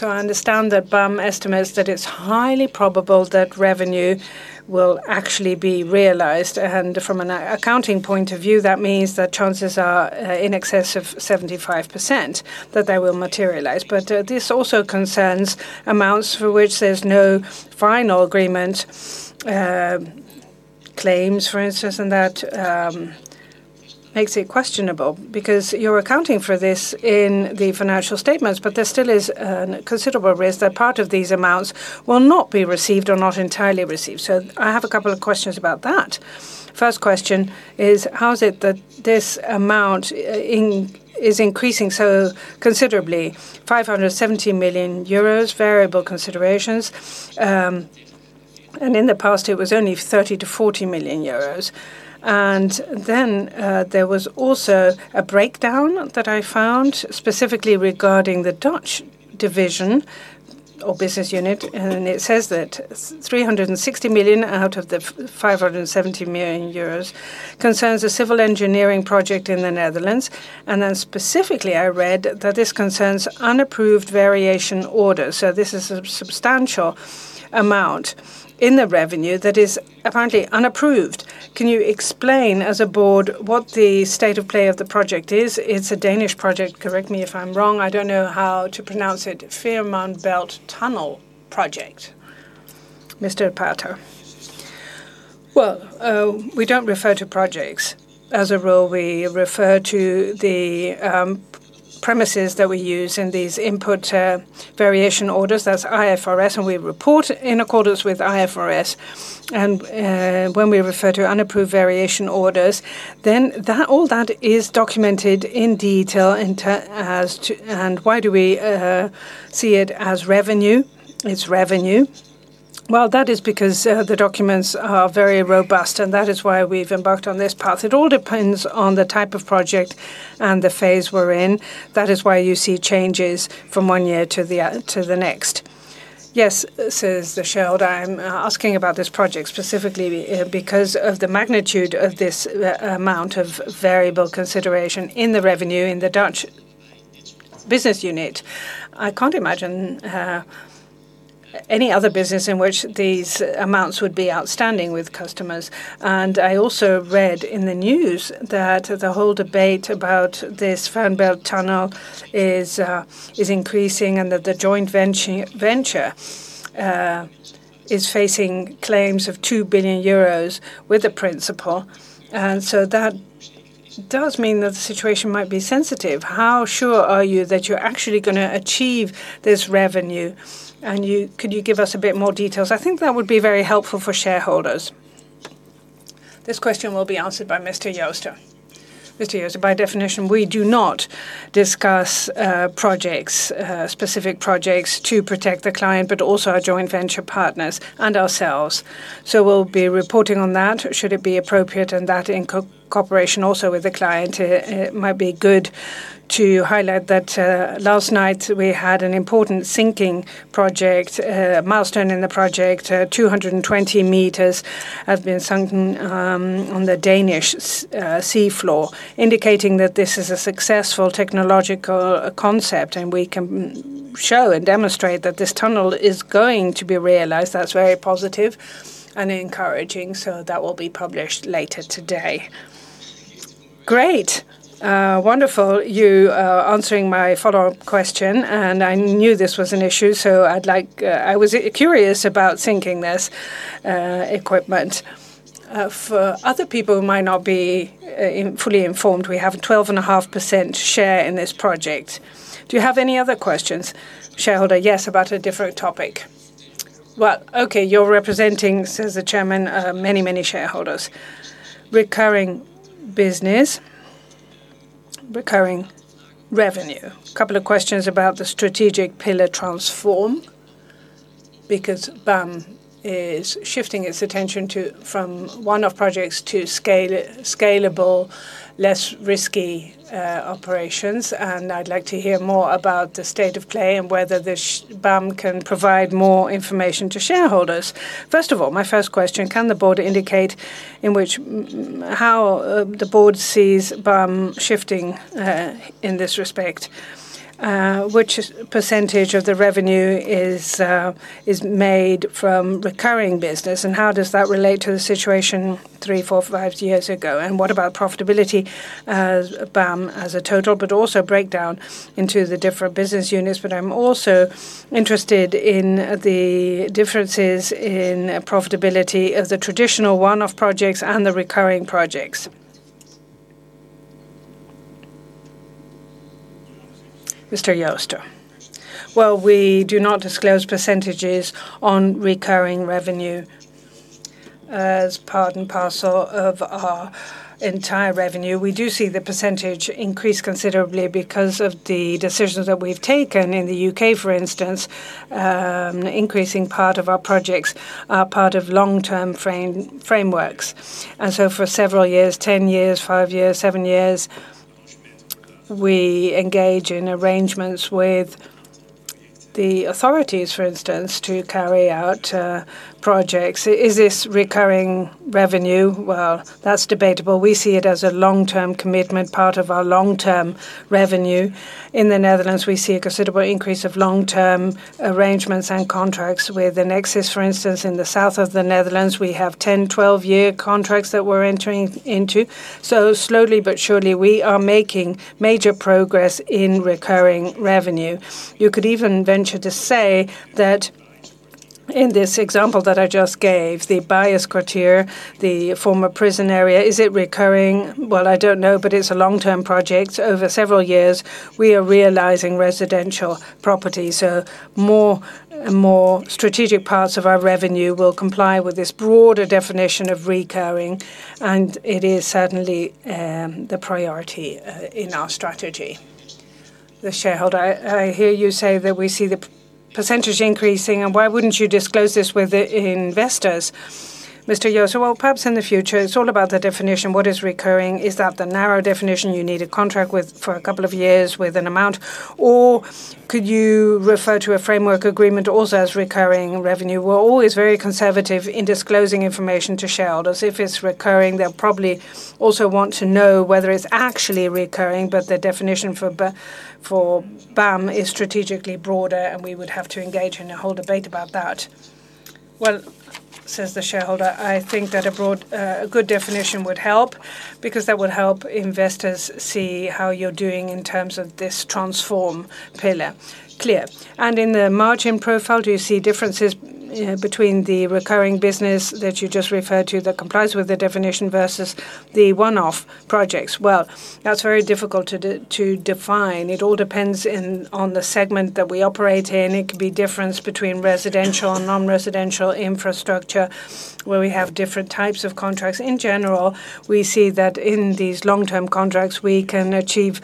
I understand that BAM estimates that it's highly probable that revenue will actually be realized, and from an accounting point of view, that means that chances are in excess of 75% that they will materialize. This also concerns amounts for which there's no final agreement, claims, for instance, and that makes it questionable, because you're accounting for this in the financial statements, but there still is an considerable risk that part of these amounts will not be received or not entirely received. I have a couple of questions about that. First question is, how is it that this amount is increasing so considerably, 570 million euros, variable considerations, and in the past it was only 30 million-40 million euros? There was also a breakdown that I found specifically regarding the Dutch division or business unit, and it says that 360 million out of the 570 million euros concerns a civil engineering project in the Netherlands. Specifically, I read that this concerns unapproved variation orders. This is a substantial amount in the revenue that is apparently unapproved. Can you explain as a board what the state of play of the project is? It's a Danish project, correct me if I'm wrong. I don't know how to pronounce it, Fehmarnbelt tunnel project. Well, we don't refer to projects. As a rule, we refer to the premises that we use in these input variation orders. That's IFRS, and we report in accordance with IFRS. When we refer to unapproved variation orders, then that all that is documented in detail. Why do we see it as revenue? It's revenue. Well, that is because the documents are very robust, and that is why we've embarked on this path. It all depends on the type of project and the phase we're in. That is why you see changes from one year to the next. Yes, I'm asking about this project specifically because of the magnitude of this amount of variable consideration in the revenue in the Dutch business unit. I can't imagine any other business in which these amounts would be outstanding with customers. I also read in the news that the whole debate about this Fehmarnbelt tunnel is increasing and that the joint venture is facing claims of 2 billion euros with the principal. That does mean that the situation might be sensitive. How sure are you that you're actually gonna achieve this revenue? Could you give us a bit more details? I think that would be very helpful for shareholders. This question will be answered by Mr. Joosten. By definition, we do not discuss projects, specific projects to protect the client, but also our joint venture partners and ourselves. We'll be reporting on that should it be appropriate and that in cooperation also with the client. It might be good to highlight that last night we had an important sinking project milestone in the project. 220 m have been sunken on the Danish sea floor, indicating that this is a successful technological concept, and we can show and demonstrate that this tunnel is going to be realized. That's very positive and encouraging, so that will be published later today. Great. Wonderful you answering my follow-up question. I knew this was an issue, so I'd like, I was curious about sinking this equipment. For other people who might not be fully informed, we have a 12.5% share in this project. Do you have any other questions? Yes, about a different topic. You're representing many shareholders. Recurring business, recurring revenue. Couple of questions about the strategic pillar transform because BAM is shifting its attention to, from one-off projects to scalable, less risky operations, and I'd like to hear more about the state of play and whether BAM can provide more information to shareholders. First of all, my first question, can the board indicate in which how the board sees BAM shifting in this respect? Which percentage of the revenue is made from recurring business, and how does that relate to the situation three, four, five years ago? What about profitability as BAM as a total, but also breakdown into the different business units? I'm also interested in the differences in profitability of the traditional one-off projects and the recurring projects. Well, we do not disclose percentages on recurring revenue as part and parcel of our entire revenue. We do see the percentage increase considerably because of the decisions that we've taken in the U.K., for instance, increasing part of our projects are part of long-term frameworks. For several years, 10 years, five years, seven years, we engage in arrangements with the authorities, for instance, to carry out projects. Is this recurring revenue? Well, that's debatable. We see it as a long-term commitment, part of our long-term revenue. In the Netherlands, we see a considerable increase of long-term arrangements and contracts. With Nexus, for instance, in the south of the Netherlands, we have 10, 12-year contracts that we're entering into. Slowly but surely, we are making major progress in recurring revenue. You could even venture to say that in this example that I just gave, the Bajeskwartier, the former prison area, is it recurring? Well, I don't know, but it's a long-term project. Over several years, we are realizing residential property, more and more strategic parts of our revenue will comply with this broader definition of recurring, and it is certainly the priority in our strategy. I hear you say that we see the percentage increasing, why wouldn't you disclose this with the investors? Well, perhaps in the future, it's all about the definition, what is recurring? Is that the narrow definition you need a contract with for a couple of years with an amount? Could you refer to a framework agreement also as recurring revenue? We're always very conservative in disclosing information to shareholders. If it's recurring, they'll probably also want to know whether it's actually recurring, but the definition for BAM is strategically broader, we would have to engage in a whole debate about that. Well, I think that a broad, a good definition would help because that would help investors see how you're doing in terms of this transform pillar. Clear. In the margin profile, do you see differences between the recurring business that you just referred to that complies with the definition versus the one-off projects? That's very difficult to define. It all depends on the segment that we operate in. It could be difference between residential and non-residential infrastructure, where we have different types of contracts. In general, we see that in these long-contracts, we can achieve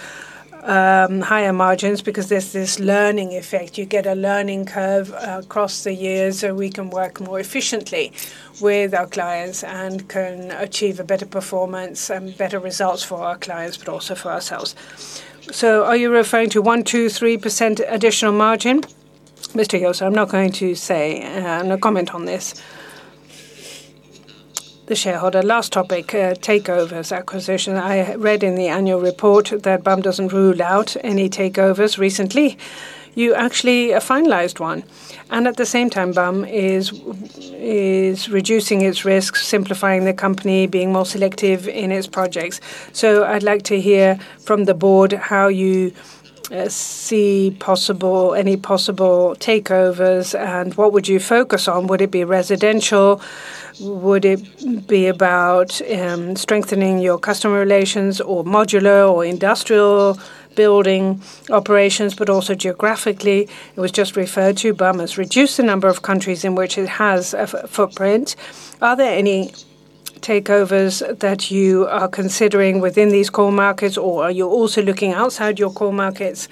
higher margins because there's this learning effect. You get a learning curve across the years, we can work more efficiently with our clients and can achieve a better performance and better results for our clients, but also for ourselves. Are you referring to 1%, 2%, 3% additional margin? I'm not going to say, no comment on this. Last topic, takeovers, acquisition. I read in the annual report that BAM doesn't rule out any takeovers. Recently, you actually finalized one, at the same time, BAM is reducing its risk, simplifying the company, being more selective in its projects. I'd like to hear from the board how you see any possible takeovers, what would you focus on? Would it be residential? Would it be about strengthening your customer relations or modular or industrial building operations, also geographically? It was just referred to, BAM has reduced the number of countries in which it has a footprint. Are there any takeovers that you are considering within these core markets, or are you also looking outside your core markets?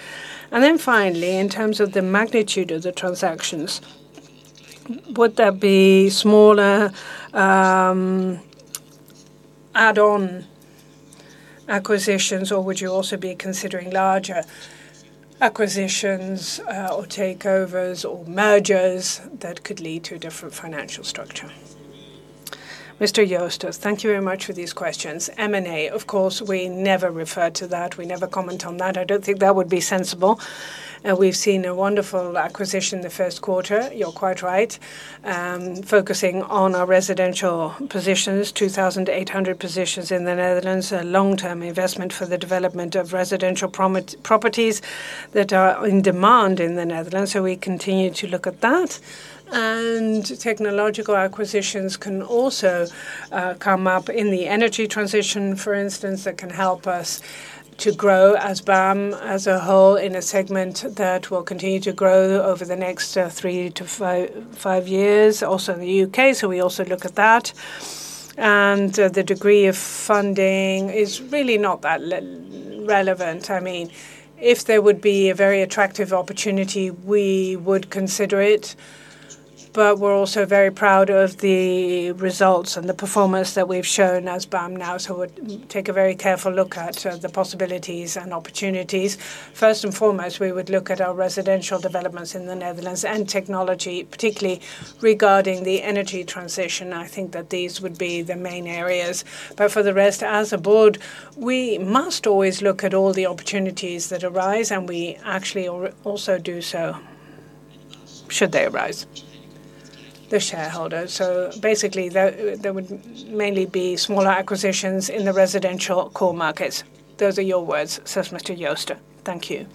Finally, in terms of the magnitude of the transactions, would that be smaller, add-on acquisitions, or would you also be considering larger acquisitions, or takeovers or mergers that could lead to a different financial structure? Thank you very much for these questions. M&A, of course, we never refer to that. We never comment on that. I don't think that would be sensible. We've seen a wonderful acquisition in the first quarter, you're quite right, focusing on our residential positions, 2,800 positions in the Netherlands, a long-term investment for the development of residential properties that are in demand in the Netherlands, so we continue to look at that. Technological acquisitions can also come up in the energy transition, for instance, that can help us to grow as BAM as a whole in a segment that will continue to grow over the next three to five years, also in the U.K. We also look at that. The degree of funding is really not that relevant. I mean, if there would be a very attractive opportunity, we would consider it. We're also very proud of the results and the performance that we've shown as BAM now. We'd take a very careful look at the possibilities and opportunities. First and foremost, we would look at our residential developments in the Netherlands and technology, particularly regarding the energy transition. I think that these would be the main areas. For the rest, as a board, we must always look at all the opportunities that arise, and we actually also do so, should they arise. So basically, there would mainly be smaller acquisitions in the residential core markets. Those are your words.. Thank you.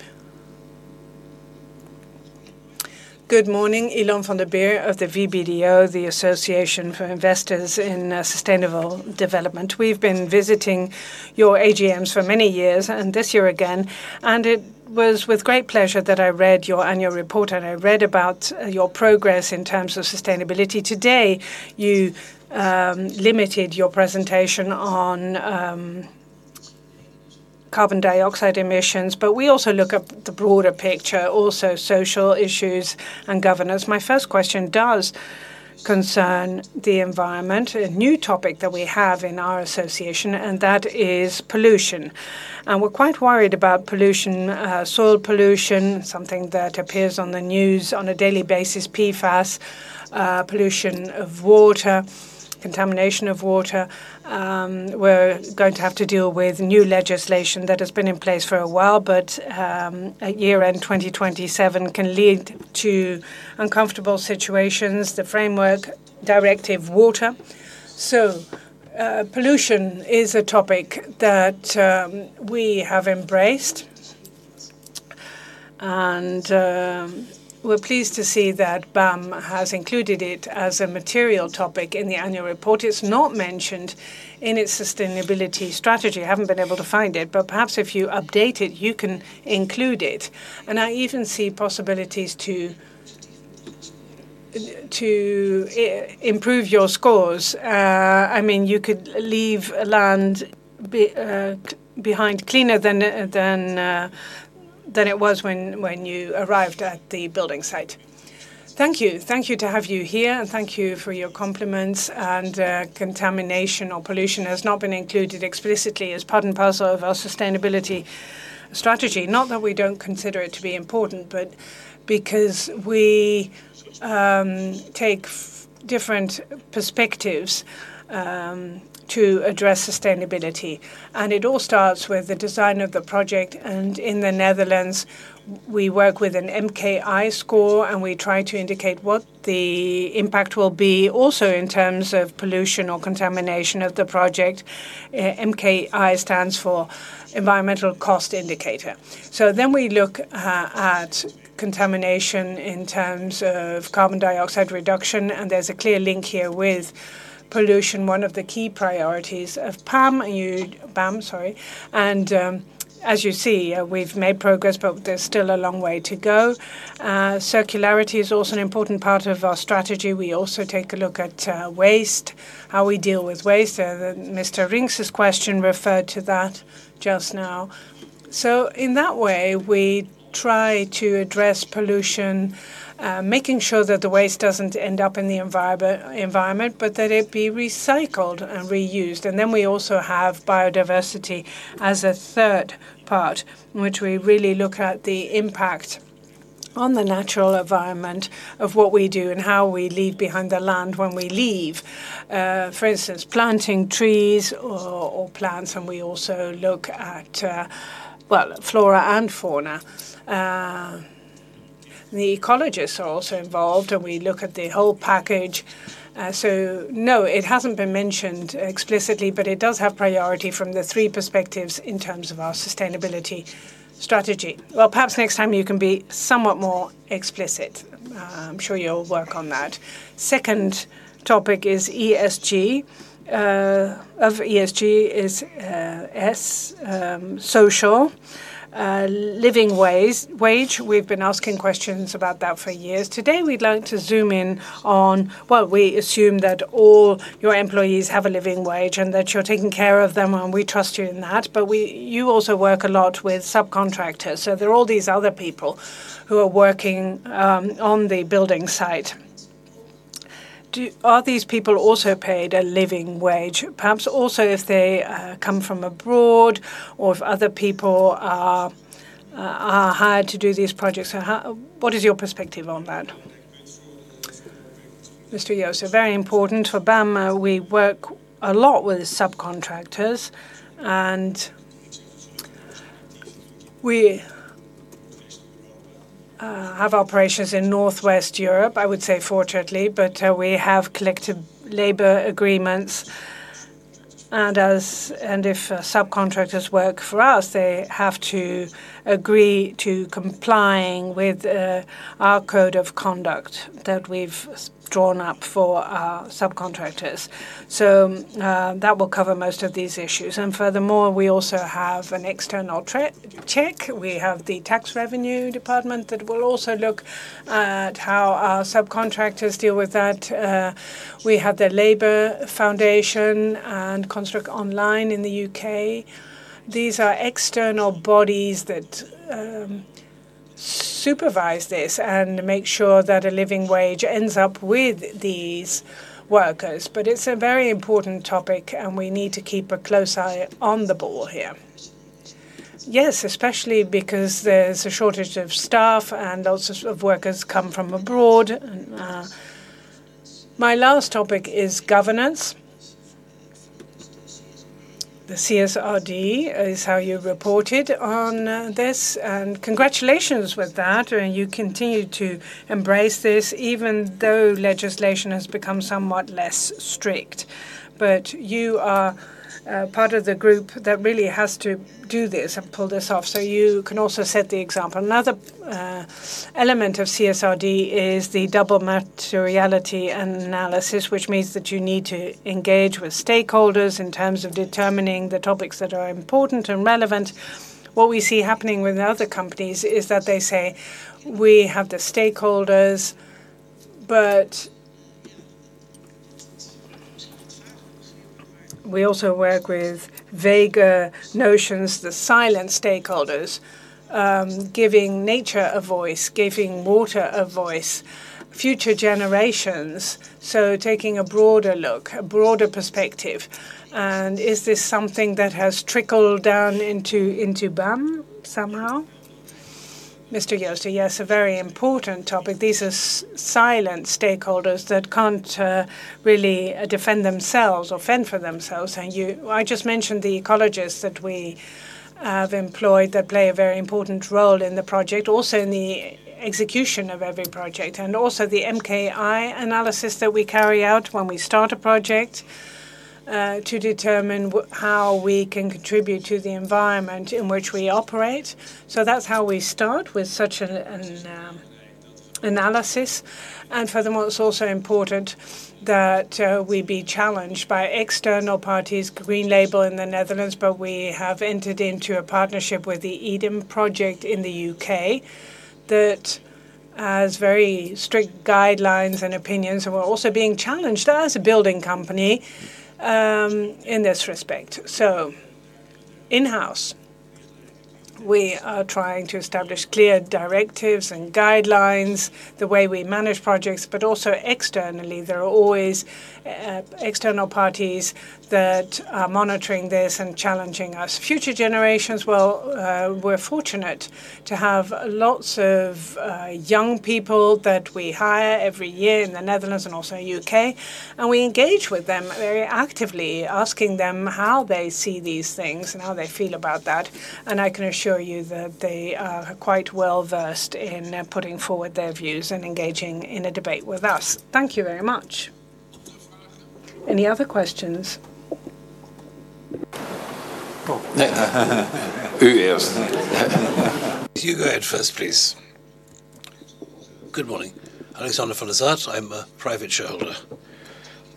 Good morning. Lon van der Veer of the VBDO, the Association for Investors in Sustainable Development. We've been visiting your AGMs for many years, and this year again, and it was with great pleasure that I read your annual report, and I read about your progress in terms of sustainability. Today, you limited your presentation on carbon dioxide emissions. We also look at the broader picture, also social issues and governance. My first question does concern the environment, a new topic that we have in our association, and that is pollution. We're quite worried about pollution, soil pollution, something that appears on the news on a daily basis, PFAS, pollution of water, contamination of water. We're going to have to deal with new legislation that has been in place for a while, but a year-end 2027 can lead to uncomfortable situations, the Framework Directive Water. Pollution is a topic that we have embraced, we're pleased to see that BAM has included it as a material topic in the annual report. It's not mentioned in its sustainability strategy. I haven't been able to find it, but perhaps if you update it, you can include it. I even see possibilities to improve your scores. I mean, you could leave land behind cleaner than it was when you arrived at the building site. Thank you. Thank you to have you here, and thank you for your compliments. Contamination or pollution has not been included explicitly as part and parcel of our sustainability strategy. Not that we don't consider it to be important, but because we take different perspectives to address sustainability. It all starts with the design of the project. In the Netherlands, we work with an MKI score, and we try to indicate what the impact will be also in terms of pollution or contamination of the project. MKI stands for environmental cost indicator. We look at contamination in terms of carbon dioxide reduction, and there's a clear link here with pollution, one of the key priorities of BAM. As you see, we've made progress, but there's still a long way to go. Circularity is also an important part of our strategy. We also take a look at waste, how we deal with waste. Mr. Rinks' question referred to that just now. In that way, we try to address pollution, making sure that the waste doesn't end up in the environment, but that it be recycled and reused. We also have biodiversity as a third part, in which we really look at the impact on the natural environment of what we do and how we leave behind the land when we leave. For instance, planting trees or plants, and we also look at, well, flora and fauna. The ecologists are also involved, and we look at the whole package. No, it hasn't been mentioned explicitly, but it does have priority from the three perspectives in terms of our sustainability strategy. Perhaps next time you can be somewhat more explicit. I'm sure you'll work on that. Second topic is ESG. Of ESG is S, social, living wage. We've been asking questions about that for years. Today, we'd like to zoom in on, well, we assume that all your employees have a living wage and that you're taking care of them, and we trust you in that. You also work a lot with subcontractors. There are all these other people who are working on the building site. Are these people also paid a living wage? Perhaps also if they come from abroad or if other people are hired to do these projects. What is your perspective on that? For BAM, we work a lot with subcontractors, and we have operations in Northwest Europe, I would say, fortunately. We have collective labor agreements. If subcontractors work for us, they have to agree to complying with our code of conduct that we've drawn up for our subcontractors. That will cover most of these issues. Furthermore, we also have an external check. We have the tax revenue department that will also look at how our subcontractors deal with that. We have the Labor Foundation and Constructionline in the U.K. These are external bodies that supervise this and make sure that a living wage ends up with these workers. It's a very important topic, and we need to keep a close eye on the ball here. Yes, especially because there's a shortage of staff and also of workers come from abroad. My last topic is governance. The CSRD is how you reported on this, congratulations with that, you continue to embrace this even though legislation has become somewhat less strict. You are part of the group that really has to do this and pull this off, so you can also set the example. Another element of CSRD is the double materiality analysis, which means that you need to engage with stakeholders in terms of determining the topics that are important and relevant. What we see happening with other companies is that they say, "We have the stakeholders, but we also work with vaguer notions, the silent stakeholders, giving nature a voice, giving water a voice, future generations," so taking a broader look, a broader perspective. Is this something that has trickled down into BAM somehow? Yes, a very important topic. These are silent stakeholders that can't really defend themselves or fend for themselves, and you I just mentioned the ecologists that we have employed that play a very important role in the project, also in the execution of every project, and also the MKI analysis that we carry out when we start a project to determine how we can contribute to the environment in which we operate. That's how we start, with such an analysis. Furthermore, it's also important that we be challenged by external parties, Greenlabel in the Netherlands, but we have entered into a partnership with the Eden Project in the U.K. that has very strict guidelines and opinions. We're also being challenged as a building company in this respect. In-house, we are trying to establish clear directives and guidelines, the way we manage projects. Also externally, there are always external parties that are monitoring this and challenging us. Future generations, we're fortunate to have lots of young people that we hire every year in the Netherlands and also U.K. We engage with them very actively, asking them how they see these things and how they feel about that. I can assure you that they are quite well-versed in putting forward their views and engaging in a debate with us. Thank you very much. Any other questions? Oh. Who, yes? You go ahead first, please. Good morning. [Alexander van Asselt]. I'm a private shareholder.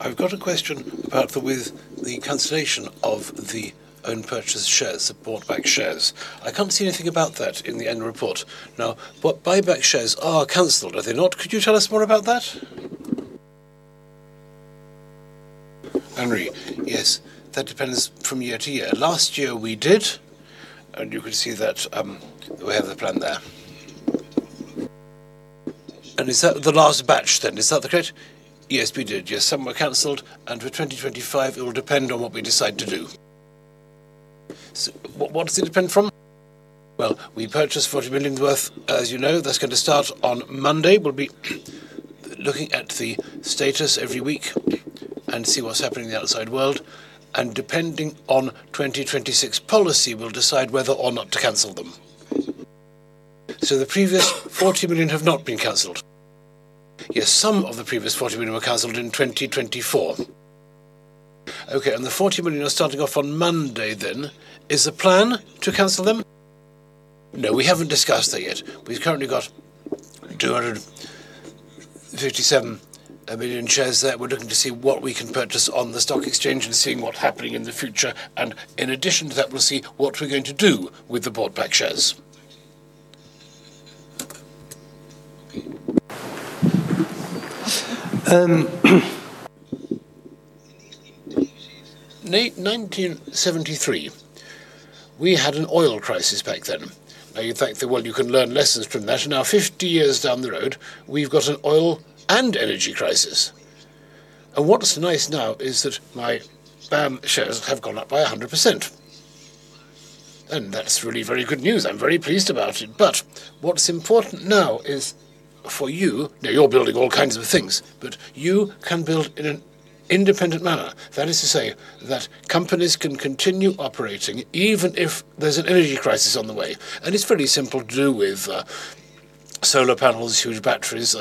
I've got a question about the, with the cancellation of the own purchased shares, the bought back shares. I can't see anything about that in the annual report. Buyback shares are canceled, are they not? Could you tell us more about that? Yes. That depends from year to year. Last year we did, you can see that, we have the plan there. Is that the last batch then? Is that the case? Yes, we did. Yes, some were canceled, for 2025 it will depend on what we decide to do. What does it depend from? Well, we purchased 40 million worth. As you know, that's gonna start on Monday. We'll be looking at the status every week and see what's happening in the outside world. Depending on 2026 policy, we'll decide whether or not to cancel them. The previous 40 million have not been canceled? Yes, some of the previous 40 million were canceled in 2024. The 40 million are starting off on Monday then. Is the plan to cancel them? No, we haven't discussed that yet. We've currently got 257 million shares there. We're looking to see what we can purchase on the stock exchange and seeing what happening in the future. In addition to that, we'll see what we're going to do with the bought back shares. 1973, we had an oil crisis back then. You'd think that, well, you can learn lessons from that, 50 years down the road, we've got an oil and energy crisis. What's nice now is that my BAM shares have gone up by 100%, and that's really very good news. I'm very pleased about it. What's important now is for you, now you're building all kinds of things, but you can build in an independent manner. That is to say that companies can continue operating even if there's an energy crisis on the way. It's fairly simple to do with solar panels, huge batteries.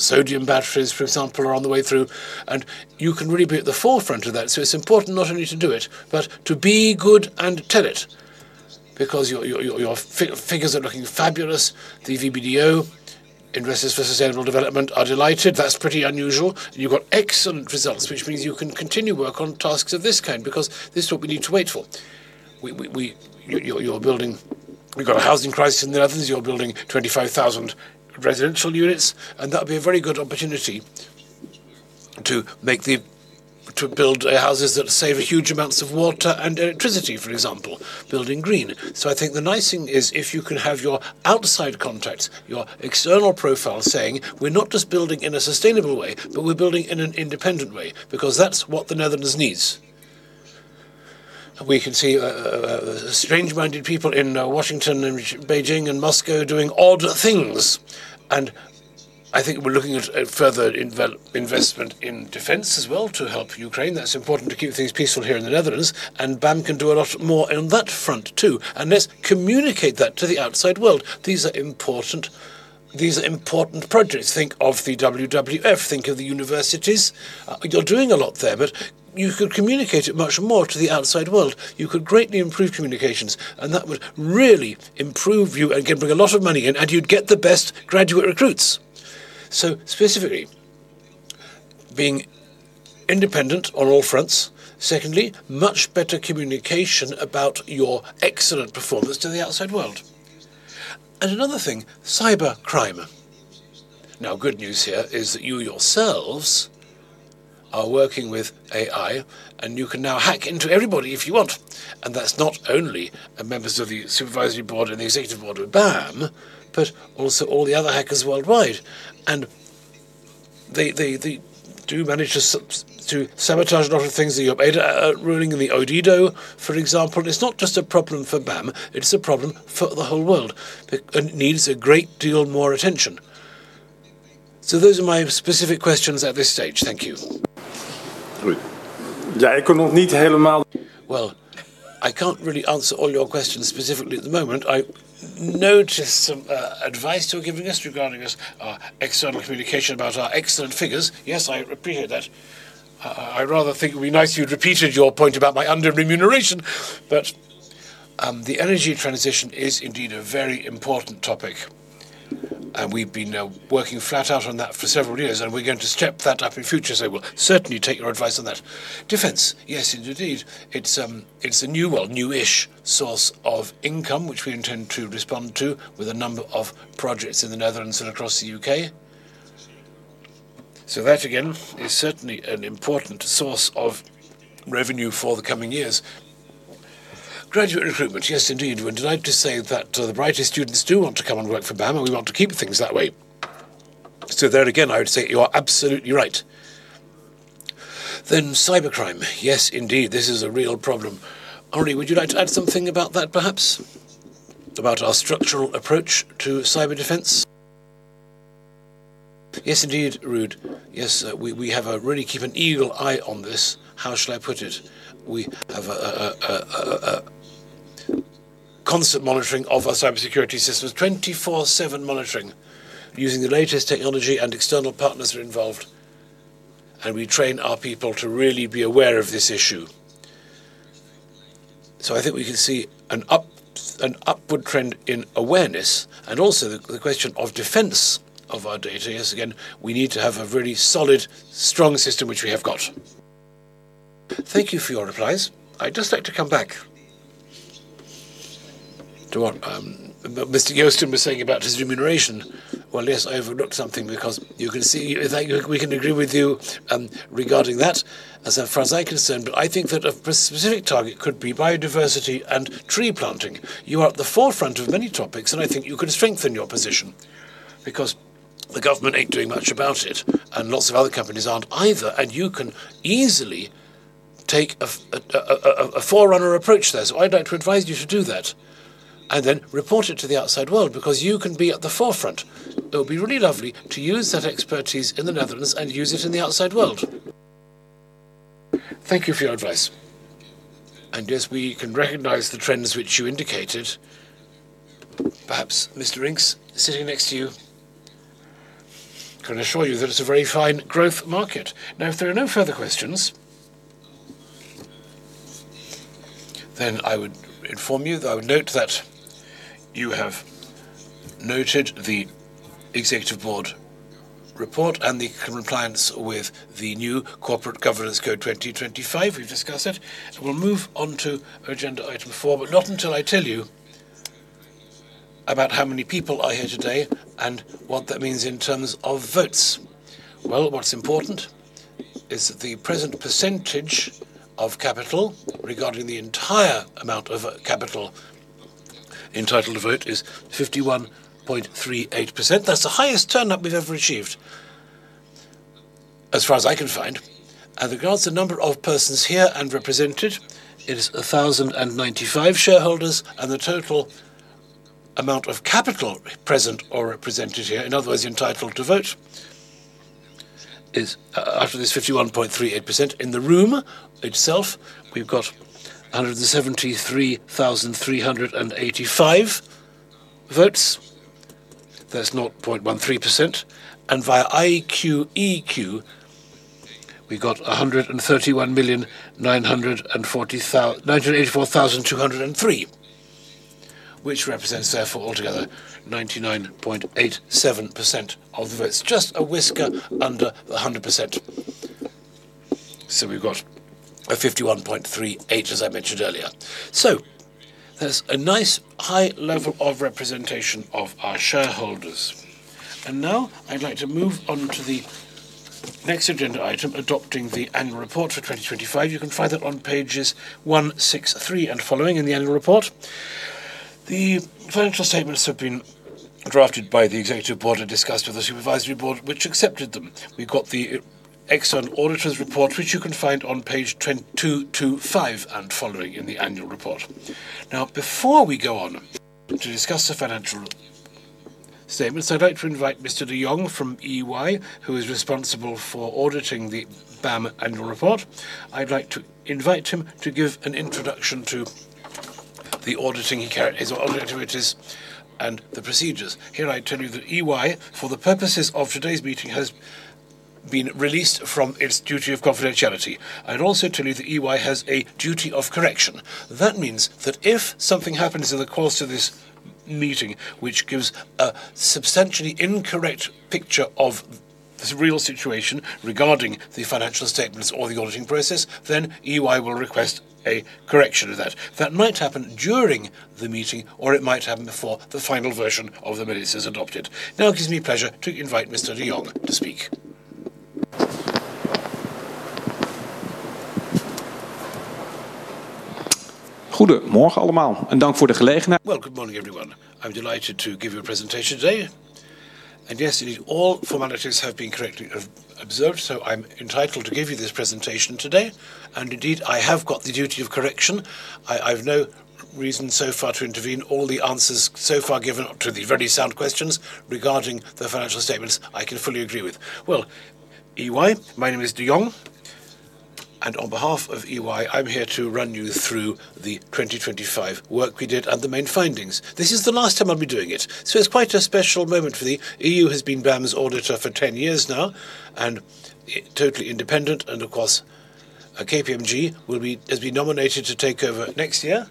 Sodium batteries, for example, are on the way through, and you can really be at the forefront of that. It's important not only to do it, but to be good and tell it, because your figures are looking fabulous. The VBDO, Investors for Sustainable Development, are delighted that's pretty unusual. You got excellent results, which means you can continue work on tasks of this kind, because this is what we need to wait for. You're building. You've got a housing crisis in the Netherlands. You're building 25,000 residential units. That'll be a very good opportunity to make the, to build houses that save huge amounts of water and electricity, for example. Building green. I think the nice thing is if you can have your outside contacts, your external profile saying, "We're not just building in a sustainable way, but we're building in an independent way," because that's what the Netherlands needs. We can see strange-minded people in Washington and Beijing and Moscow doing odd things. I think we're looking at a further investment in defense as well to help Ukraine. That's important to keep things peaceful here in the Netherlands. BAM can do a lot more on that front too. Let's communicate that to the outside world. These are important projects. Think of the WWF, think of the universities. You're doing a lot there. You could communicate it much more to the outside world. You could greatly improve communications. That would really improve you and can bring a lot of money in, and you'd get the best graduate recruits. Specifically, being independent on all fronts. Secondly, much better communication about your excellent performance to the outside world. Another thing, cybercrime. Now, good news here is that you yourselves are working with AI. You can now hack into everybody if you want. That's not only members of the Supervisory Board and the Executive Board of BAM, but also all the other hackers worldwide. They do manage to sabotage a lot of things that you're made ruling in the Odido, for example. It's not just a problem for BAM, it's a problem for the whole world. It needs a great deal more attention. Those are my specific questions at this stage. Thank you. Well, I can't really answer all your questions specifically at the moment. I notice some advice you're giving us regarding our external communication about our excellent figures. Yes, I appreciate that. I'd rather think it'd be nice if you'd repeated your point about my under-remuneration. The energy transition is indeed a very important topic, and we've been working flat out on that for several years, and we're going to step that up in future. We'll certainly take your advice on that. Defense, yes, indeed. It's a new, well, new-ish source of income, which we intend to respond to with a number of projects in the Netherlands and across the U.K. That again is certainly an important source of revenue for the coming years. Graduate recruitment, yes, indeed. We're delighted to say that the brightest students do want to come and work for BAM, and we want to keep things that way. There again, I would say you are absolutely right. Cybercrime. Yes, indeed, this is a real problem. Henri, would you like to add something about that perhaps? About our structural approach to cyber defense? Yes, indeed, Ruud. Yes, we really keep an eagle eye on this. How shall I put it? We have a constant monitoring of our cybersecurity systems, 24/7 monitoring using the latest technology, and external partners are involved. We train our people to really be aware of this issue. I think we can see an upward trend in awareness and also the question of defense of our data. Yes, again, we need to have a very solid, strong system, which we have got. Thank you for your replies. I'd just like to come back to what Mr. Joosten was saying about his remuneration. Well, yes, I overlooked something because you can see that we can agree with you regarding that as far as I'm concerned. I think that a specific target could be biodiversity and tree planting. You are at the forefront of many topics, and I think you could strengthen your position because the government ain't doing much about it, and lots of other companies aren't either. You can easily take a forerunner approach there. I'd like to advise you to do that and then report it to the outside world because you can be at the forefront. It would be really lovely to use that expertise in the Netherlands and use it in the outside world. Thank you for your advice. Yes, we can recognize the trends which you indicated. Perhaps Mr. Rinks, sitting next to you, can assure you that it's a very fine growth market. If there are no further questions, I would inform you, I would note that you have noted the Executive Board report and the compliance with the new Corporate Governance Code 2025. We've discussed it. We'll move on to agenda item 4, not until I tell you about how many people are here today and what that means in terms of votes. Well, what's important is the present percentage of capital regarding the entire amount of capital entitled to vote is 51.38%. That's the highest turnout we've ever achieved, as far as I can find. Regards the number of persons here and represented, it is 1,095 shareholders, and the total amount of capital present or represented here, in other words, entitled to vote, is after this 51.38%. In the room itself, we've got 173,385 votes. That's 0.13%. Via IQ-EQ, we got 131,984,203, which represents therefore altogether 99.87% of the votes. Just a whisker under 100%. We've got 51.38%, as I mentioned earlier. There's a nice high level of representation of our shareholders. Now I'd like to move on to the next agenda item, adopting the annual report for 2025. You can find that on pages 163 and following in the annual report. The financial statements have been drafted by the Executive Board and discussed with the Supervisory Board, which accepted them. We've got the external auditors report, which you can find on page 225 and following in the annual report. Now, before we go on to discuss the financial statements, I'd like to invite Mr. De Jong from EY, who is responsible for auditing the BAM annual report. I'd like to invite him to give an introduction to the auditing he carried, his audit activities and the procedures. Here I tell you that EY, for the purposes of today's meeting, has been released from its duty of confidentiality. I'd also tell you that EY has a duty of correction. That means that if something happens in the course of this meeting which gives a substantially incorrect picture of the real situation regarding the financial statements or the auditing process, then EY will request a correction of that. That might happen during the meeting, or it might happen before the final version of the minutes is adopted and that it gives me pleasure to invite Mr. De Jong to speak. Well, good morning, everyone. I'm delighted to give you a presentation today. Yes, indeed, all formalities have been correctly observed, so I'm entitled to give you this presentation today. Indeed, I have got the duty of correction. I've no reason so far to intervene. All the answers so far given to the very sound questions regarding the financial statements I can fully agree with. Well, EY, my name is De Jong, and on behalf of EY, I'm here to run you through the 2025 work we did and the main findings. This is the last time I'll be doing it, so it's quite a special moment for me. EY has been BAM's auditor for 10 years now, totally independent. Of course, KPMG has been nominated to take over next year.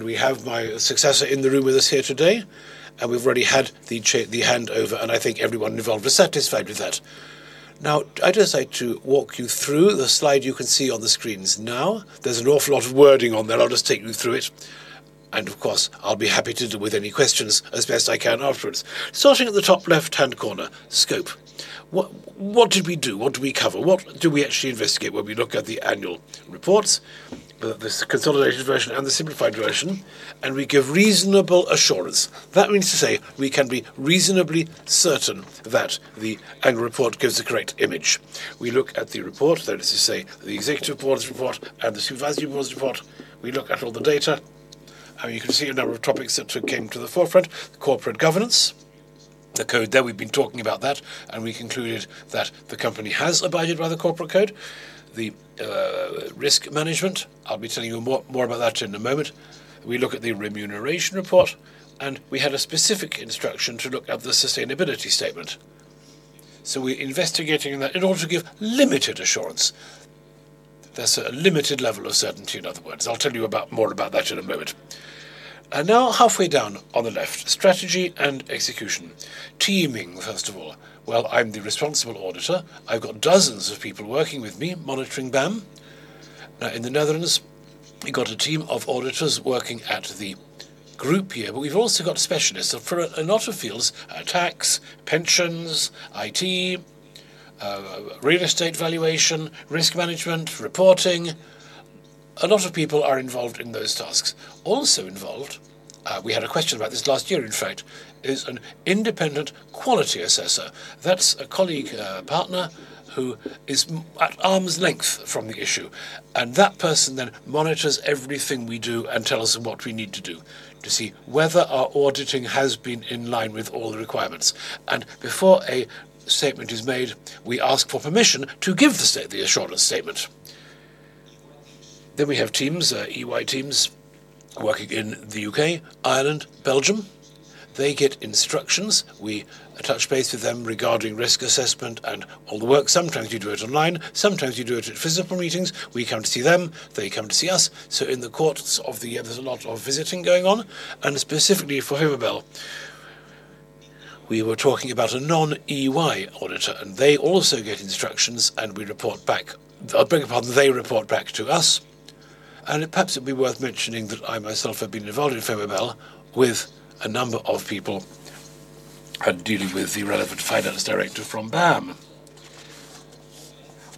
We have my successor in the room with us here today, and we've already had the handover, and I think everyone involved was satisfied with that. Now, I'd just like to walk you through the slide you can see on the screens now. There's an awful lot of wording on there. I'll just take you through it. Of course, I'll be happy to deal with any questions as best I can afterwards. Starting at the top left-hand corner, scope. What did we do? What did we cover? What do we actually investigate when we look at the annual reports, the consolidated version and the simplified version, and we give reasonable assurance? That means to say we can be reasonably certain that the annual report gives a correct image. We look at the report. That is to say the Executive Board's report and the Supervisory Board's report. We look at all the data. You can see a number of topics that came to the forefront. Corporate governance, the code there, we've been talking about that and we concluded that the company has abided by the corporate code. The risk management, I'll be telling you more about that in a moment. We look at the remuneration report. We had a specific instruction to look at the sustainability statement. We're investigating that in order to give limited assurance. There's a limited level of certainty, in other words. I'll tell you more about that in a moment. Now halfway down on the left, strategy and execution. Teaming, first of all. Well, I'm the responsible auditor. I've got dozens of people working with me, monitoring BAM. In the Netherlands, we've got a team of auditors working at the group here, but we've also got specialists for a lot of fields, tax, pensions, IT, real estate valuation, risk management, reporting. A lot of people are involved in those tasks. Also involved, we had a question about this last year, in fact, is an independent quality assessor. That's a colleague, partner who is at arm's length from the issue and that person monitors everything we do and tells us what we need to do to see whether our auditing has been in line with all the requirements. Before a statement is made, we ask for permission to give the assurance statement. We have teams, EY teams working in the U.K., Ireland, Belgium. They get instructions. We touch base with them regarding risk assessment and all the work. Sometimes we do it online. Sometimes we do it at physical meetings. We come to see them. They come to see us. In the course of the year, there's a lot of visiting going on. Specifically for Fehmarnbelt, we were talking about a non-EY auditor, and they also get instructions, and we report back. I beg your pardon. They report back to us. Perhaps it would be worth mentioning that I myself have been involved in Fehmarnbelt with a number of people and dealing with the relevant finance director from BAM.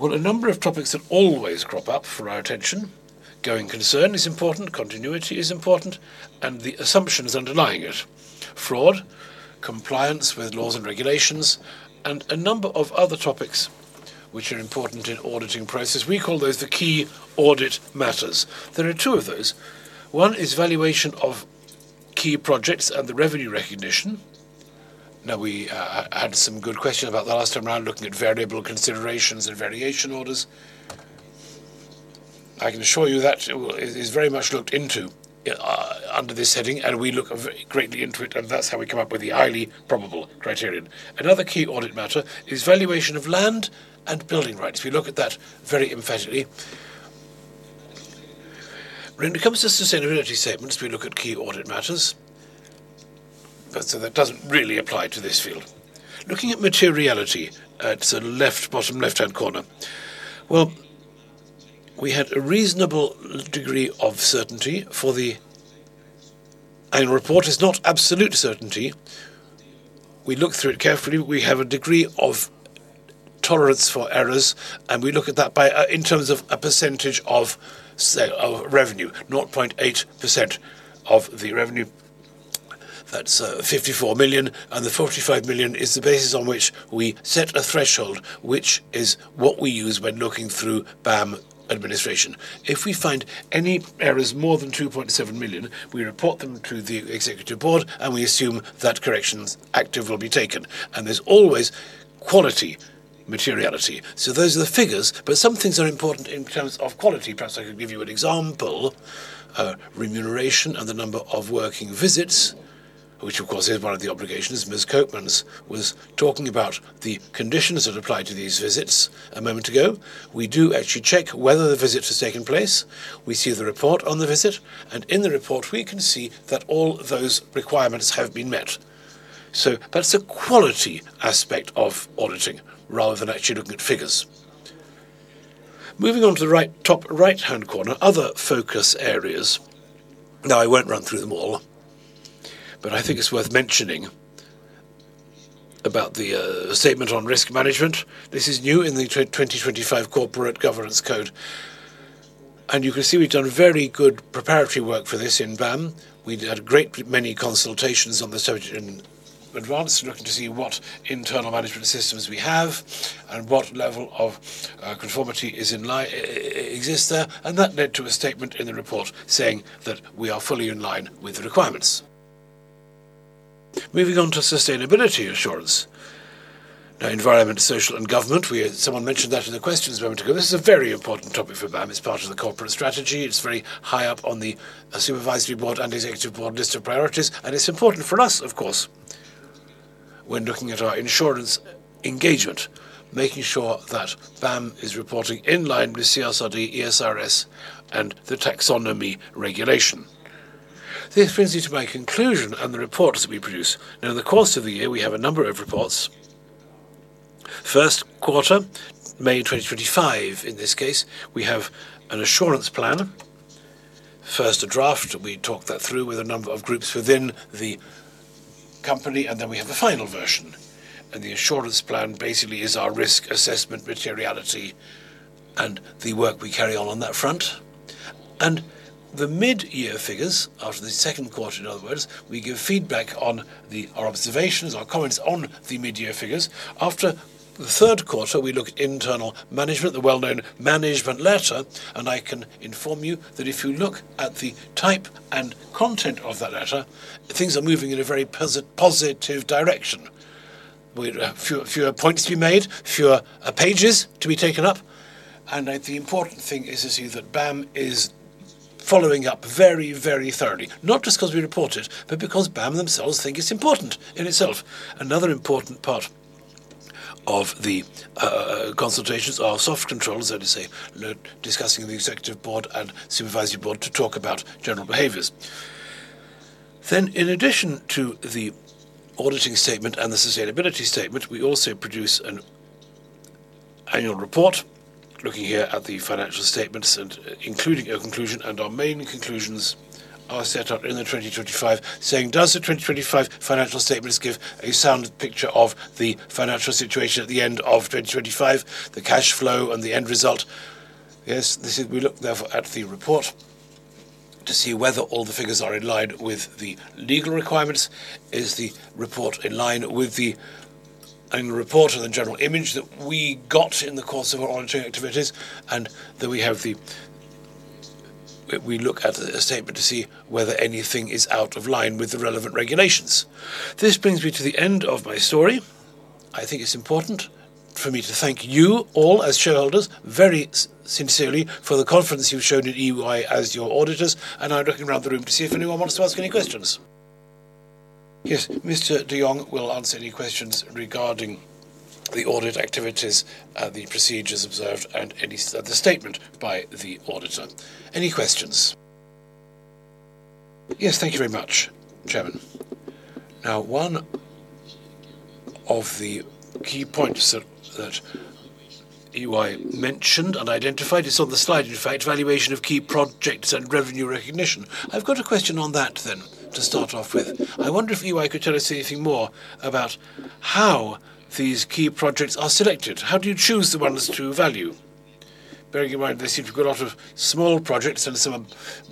Well, a number of topics that always crop up for our attention. Going concern is important, continuity is important, and the assumptions underlying it. Fraud, compliance with laws and regulations, and a number of other topics which are important in auditing process. We call those the key audit matters. There are two of those. One is valuation of key projects and the revenue recognition. We had some good question about that last time around, looking at variable considerations and variation orders. I can assure you that is very much looked into under this heading, and we look greatly into it, and that's how we come up with the highly probable criterion. Another key audit matter is valuation of land and building rights. We look at that very emphatically. When it comes to sustainability statements, we look at key audit matters that doesn't really apply to this field. Looking at materiality at the left bottom left-hand corner, we had a reasonable degree of certainty for the annual report. It's not absolute certainty. We look through it carefully. We have a degree of tolerance for errors, and we look at that by in terms of a percentage of revenue, 0.8% of the revenue. That's 54 million, and the 45 million is the basis on which we set a threshold, which is what we use when looking through BAM administration. If we find any errors more than 2.7 million, we report them to the Executive Board, and we assume that corrections active will be taken. There's always quality materiality. Those are the figures. Some things are important in terms of quality. Perhaps I could give you an example, remuneration and the number of working visits, which of course is one of the obligations. Ms. Koopmans was talking about the conditions that apply to these visits a moment ago. We do actually check whether the visit has taken place. We see the report on the visit, and in the report, we can see that all those requirements have been met. That's a quality aspect of auditing rather than actually looking at figures. Moving on to the right top right-hand corner, other focus areas. I won't run through them all, but I think it's worth mentioning about the statement on risk management. This is new in the 2025 Corporate Governance Code. You can see we've done very good preparatory work for this in BAM. We'd had a great many consultations on the subject in advance, looking to see what internal management systems we have and what level of conformity exists there. That led to a statement in the report saying that we are fully in line with the requirements. Moving on to sustainability assurance. Now, environment, social, and government, we had someone mentioned that in the questions a moment ago. This is a very important topic for BAM. It's part of the corporate strategy. It's very high up on the Supervisory Board and Executive Board list of priorities, and it's important for us, of course, when looking at our insurance engagement, making sure that BAM is reporting in line with CSRD, ESRS, and the Taxonomy Regulation. This brings me to my conclusion and the reports we produce. Now, in the course of the year, we have a number of reports. First quarter, May 2025, in this case, we have an assurance plan. First a draft, we talk that through with a number of groups within the company, then we have the final version. The assurance plan basically is our risk assessment materiality and the work we carry on on that front. The mid-year figures, after the second quarter, in other words, we give feedback on the, our observations, our comments on the mid-year figures. After the third quarter, we look at internal management, the well-known management letter, and I can inform you that if you look at the type and content of that letter, things are moving in a very positive direction. We fewer points to be made, fewer pages to be taken up. The important thing is to see that BAM is following up very, very thoroughly, not just because we report it, but because BAM themselves think it's important in itself. Another important part of the consultations are soft controls, that is say, discussing the Executive Board and Supervisory Board to talk about general behaviors. In addition to the auditing statement and the sustainability statement, we also produce an annual report looking here at the financial statements and including a conclusion. Our main conclusions are set out in the 2025 saying, "Does the 2025 financial statements give a sound picture of the financial situation at the end of 2025, the cash flow and the end result?" We look therefore at the report to see whether all the figures are in line with the legal requirements. Is the report in line with the annual report and the general image that we got in the course of our auditing activities? Then we look at the statement to see whether anything is out of line with the relevant regulations. This brings me to the end of my story. I think it's important for me to thank you all as shareholders very sincerely for the confidence you've shown in EY as your auditors. Now looking around the room to see if anyone wants to ask any questions. Yes, Mr. De Jong will answer any questions regarding the audit activities, the procedures observed and the statement by the auditor. Any questions? Yes. Thank you very much, Chairman. Now, one of the key points that EY mentioned and identified is on the slide, in fact, valuation of key projects and revenue recognition. I've got a question on that then to start off with. I wonder if EY could tell us anything more about how these key projects are selected. How do you choose the ones to value? Bearing in mind they seem to have got a lot of small projects, and some are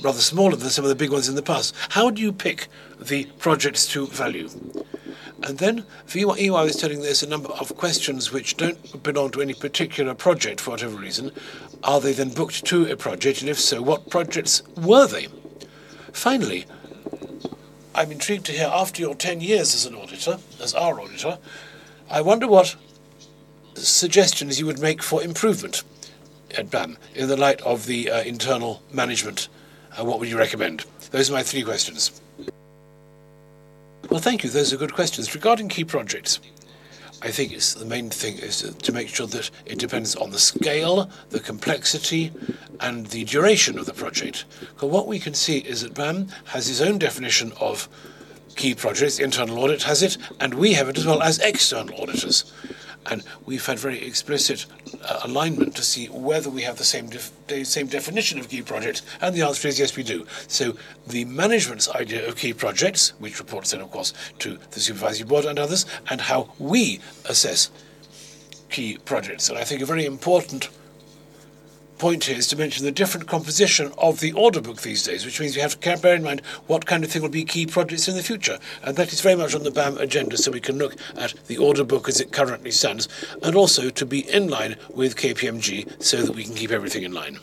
rather smaller than some of the big ones in the past. How do you pick the projects to value? Then for you, EY was telling there's a number of questions which don't belong to any particular project for whatever reason. Are they then booked to a project? If so, what projects were they? Finally, I'm intrigued to hear, after your 10 years as an auditor, as our auditor, I wonder what suggestions you would make for improvement at BAM in the light of the internal management. What would you recommend? Those are my three questions. Well, thank you. Those are good questions. Regarding key projects, I think the main thing is to make sure that it depends on the scale, the complexity, and the duration of the project. What we can see is that BAM has its own definition of key projects, internal audit has it, and we have it as well as external auditors. We've had very explicit alignment to see whether we have the same definition of key projects, and the answer is yes, we do. The management's idea of key projects, which reports then of course to the Supervisory Board and others, and how we assess key projects. I think a very important point here is to mention the different composition of the order book these days, which means we have to bear in mind what kind of thing will be key projects in the future. That is very much on the BAM agenda, so we can look at the order book as it currently stands, also to be in line with KPMG so that we can keep everything in line.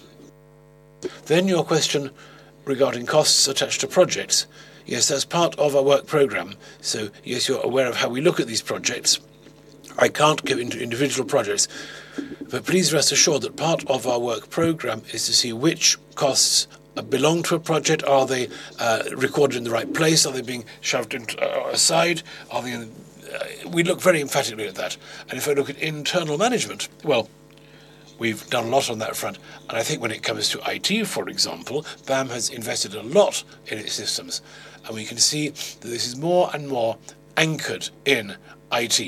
Your question regarding costs attached to projects. Yes, that's part of our work program. Yes, you're aware of how we look at these projects. I can't give into individual projects, but please rest assured that part of our work program is to see which costs belong to a project. Are they recorded in the right place? Are they being shoved into aside? We look very emphatically at that. If I look at internal management, well, we've done a lot on that front. I think when it comes to IT, for example, BAM has invested a lot in its systems. We can see that this is more and more anchored in IT.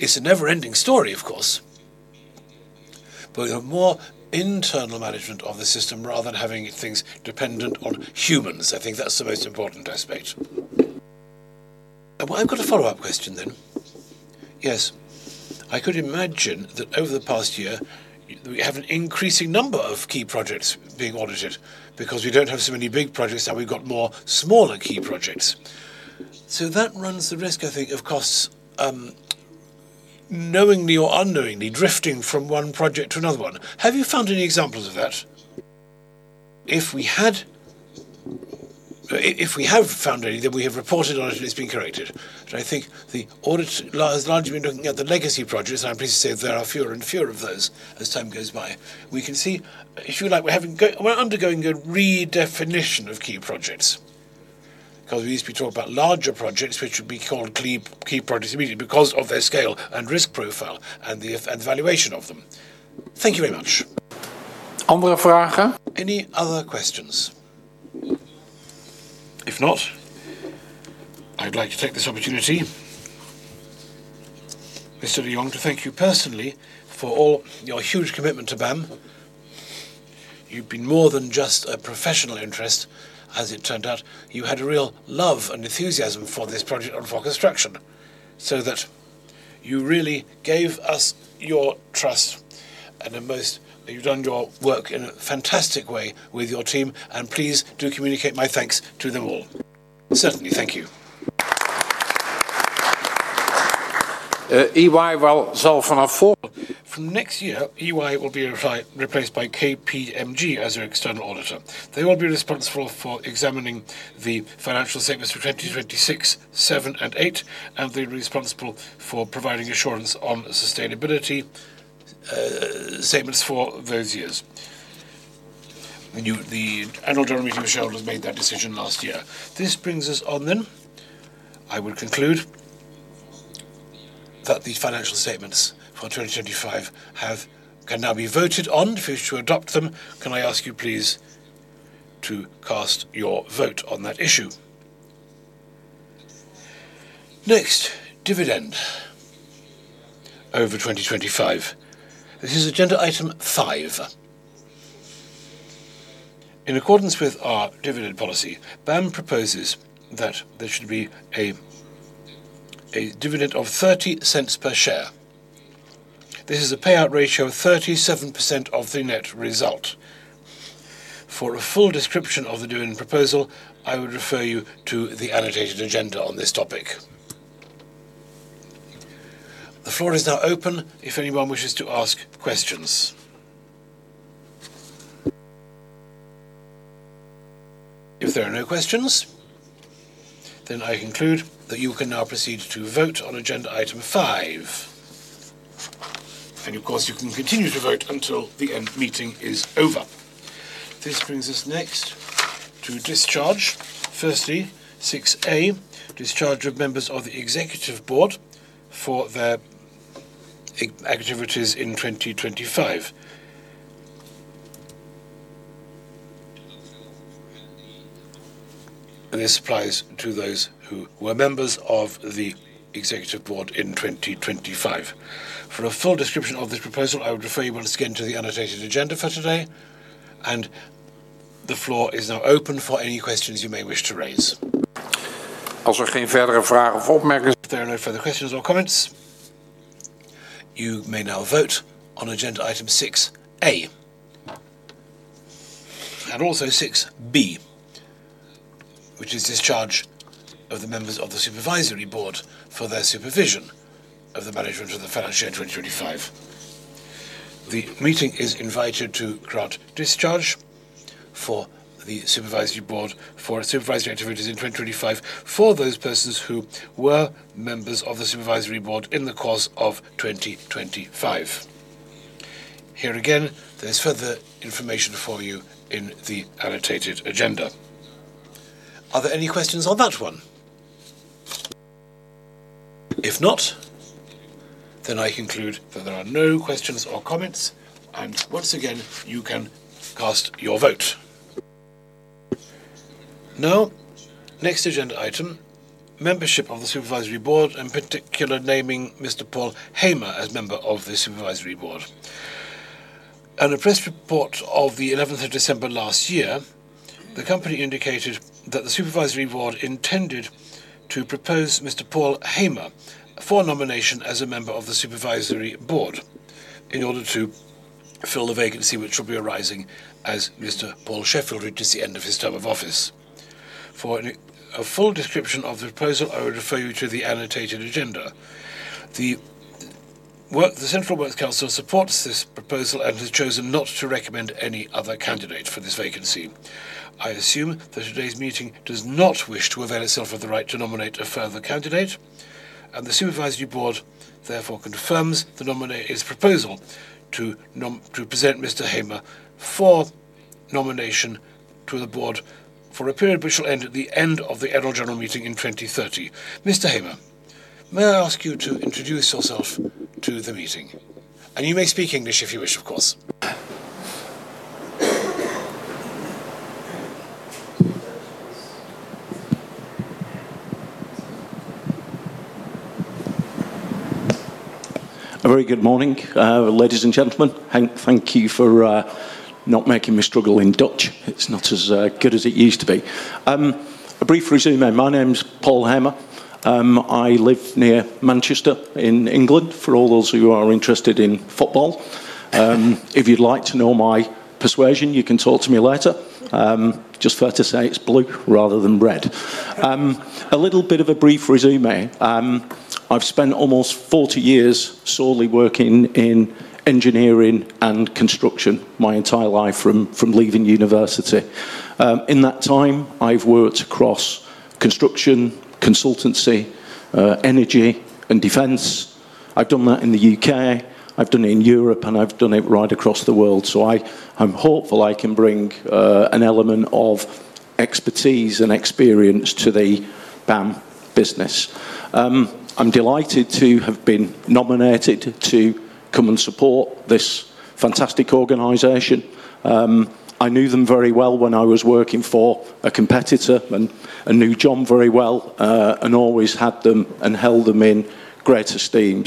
It's a never-ending story, of course. We have more internal management of the system rather than having things dependent on humans. I think that's the most important aspect. Well, I've got a follow-up question then. Yes. I could imagine that over the past year, we have an increasing number of key projects being audited because we don't have so many big projects, and we've got more smaller key projects. That runs the risk, I think, of costs, knowingly or unknowingly drifting from on project to another one. Have you found any examples of that? If we had if we have found any, then we have reported on it, and it's been corrected. I think the audit, as long as you've been looking at the legacy projects, and I'm pleased to say there are fewer and fewer of those as time goes by. We can see, if you like, we're undergoing a redefinition of key projects. We used to be talking about larger projects, which would be called key projects immediately because of their scale, and risk profile, and valuation of them. Thank you very much. Any other questions? If not, I'd like to take this opportunity, Mr. De Jong, to thank you personally for all your huge commitment to BAM. You've been more than just a professional interest. As it turned out, you had a real love and enthusiasm for this project and for construction, so that you really gave us your trust. You've done your work in a fantastic way with your team, and please do communicate my thanks to them all. Certainly. Thank you. From next year, EY will be replaced by KPMG as your external auditor. They will be responsible for examining the financial statements for 2026, 2027, and 2028, and be responsible for providing assurance on sustainability statements for those years. The annual general meeting, as shared, has made that decision last year. This brings us on. I will conclude that these financial statements for 2025 can now be voted on. If you wish to adopt them, can I ask you please to cast your vote on that issue? Next, dividend over 2025. This is Agenda Item 5. In accordance with our dividend policy, BAM proposes that there should be a dividend of 0.30 per share. This is a payout ratio of 37% of the net result. For a full description of the dividend proposal, I would refer you to the annotated agenda on this topic. The floor is now open if anyone wishes to ask questions. If there are no questions, I conclude that you can now proceed to vote on Agenda Item 5. Of course, you can continue to vote until the end meeting is over. This brings us next to discharge. Firstly, 6A, discharge of members of the Executive Board for their activities in 2025. This applies to those who were members of the Executive Board in 2025. For a full description of this proposal, I would refer you once again to the annotated agenda for today. The floor is now open for any questions you may wish to raise. If there are no further questions or comments, you may now vote on Agenda Item 6A or also 6B, which is discharge of the members of the Supervisory Board for their supervision of the management of the financial year 2025. The meeting is invited to grant discharge for the Supervisory Board for supervisory activities in 2025 for those persons who were members of the Supervisory Board in the course of 2025. Here again, there is further information for you in the annotated agenda. Are there any questions on that one? If not, I conclude that there are no questions or comments. Once again, you can cast your vote. Next agenda item, membership of the Supervisory Board, in particular naming Mr. Paul Hamer as member of the Supervisory Board. in a press report of the 11th of December last year, the company indicated that the Supervisory Board intended to propose Mr. Paul Hamer for nomination as a member of the Supervisory Board in order to fill the vacancy which will be arising as Mr. Paul Sheffield reaches the end of his term of office. For a full description of the proposal, I would refer you to the annotated agenda. The Central Works Council supports this proposal and has chosen not to recommend any other candidate for this vacancy. I assume that today's meeting does not wish to avail itself of the right to nominate a further candidate. The Supervisory Board therefore confirms the nominee's proposal to present Mr. Hamer for nomination to the board for a period which will end at the end of the annual general meeting in 2030. Mr. Hamer, may I ask you to introduce yourself to the meeting? You may speak English if you wish, of course. A very good morning, ladies and gentlemen. Thank you for not making me struggle in Dutch. It's not as good as it used to be. A brief resume. My name's Paul Hamer. I live near Manchester in England, for all those who are interested in football. If you'd like to know my persuasion, you can talk to me later. Just fair to say it's blue rather than red. A little bit of a brief resume. I've spent almost 40 years solely working in engineering and construction my entire life from leaving university. In that time, I've worked across construction, consultancy, energy, and defense. I've done that in the U.K., I've done it in Europe, and I've done it right across the world. I'm hopeful I can bring an element of expertise and experience to the BAM business. I'm delighted to have been nominated to come and support this fantastic organization. I knew them very well when I was working for a competitor and knew Jong very well and always had them and held them in great esteem.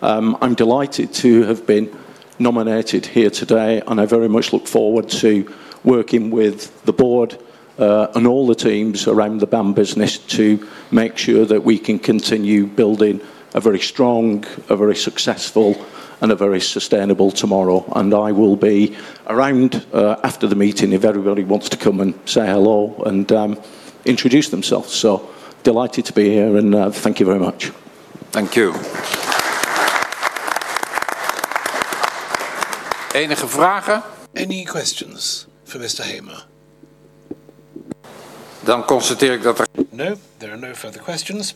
I'm delighted to have been nominated here today, and I very much look forward to working with the board and all the teams around the BAM business to make sure that we can continue building a very strong, a very successful, and a very sustainable tomorrow. I will be around after the meeting if everybody wants to come and say hello and introduce themselves. Delighted to be here, and thank you very much. Thank you. Any questions for Mr. Hamer? No. There are no further questions.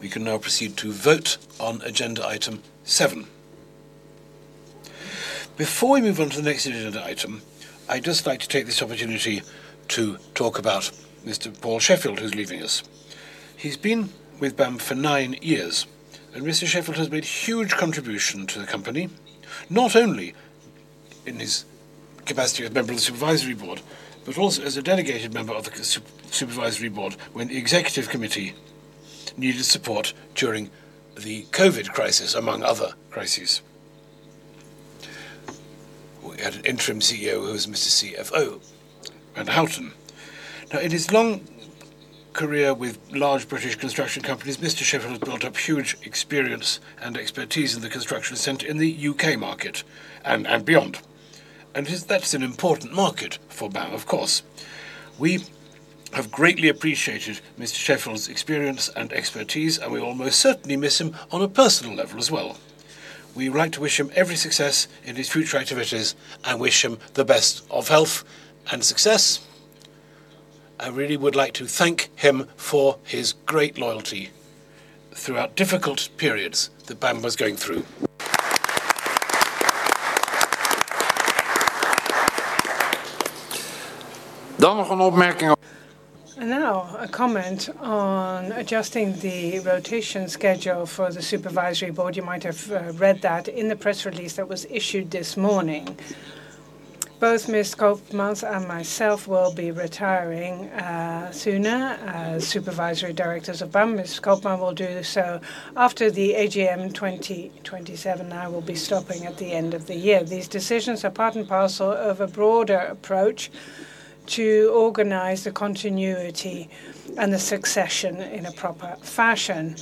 We can now proceed to vote on Agenda Item 7. Before we move on to the next agenda item, I'd just like to take this opportunity to talk about Mr. Paul Sheffield, who's leaving us. He's been with BAM for nine years, and Mr. Sheffield has made huge contribution to the company, not only in his capacity as member of the Supervisory Board but also as a delegated member of the Supervisory Board when the Executive Committee needed support during the COVID crisis, among other crises. We had an interim CEO who was Mr. CFO, den Houter. In his long career with large British construction companies, Mr. Sheffield has built up huge experience and expertise in the construction sector in the U.K. market and beyond. That's an important market for BAM, of course. We have greatly appreciated Mr. Sheffield's experience and expertise, and we will most certainly miss him on a personal level as well. We write to wish him every success in his future activities and wish him the best of health and success. I really would like to thank him for his great loyalty throughout difficult periods that BAM was going through. Now, a comment on adjusting the rotation schedule for the Supervisory Board. You might have read that in the press release that was issued this morning. Both Ms. Koopmans and myself will be retiring sooner as supervisory directors of BAM. Ms. Koopmans will do so after the AGM in 2027. I will be stopping at the end of the year. These decisions are part and parcel of a broader approach to organize the continuity and the succession in a proper fashion.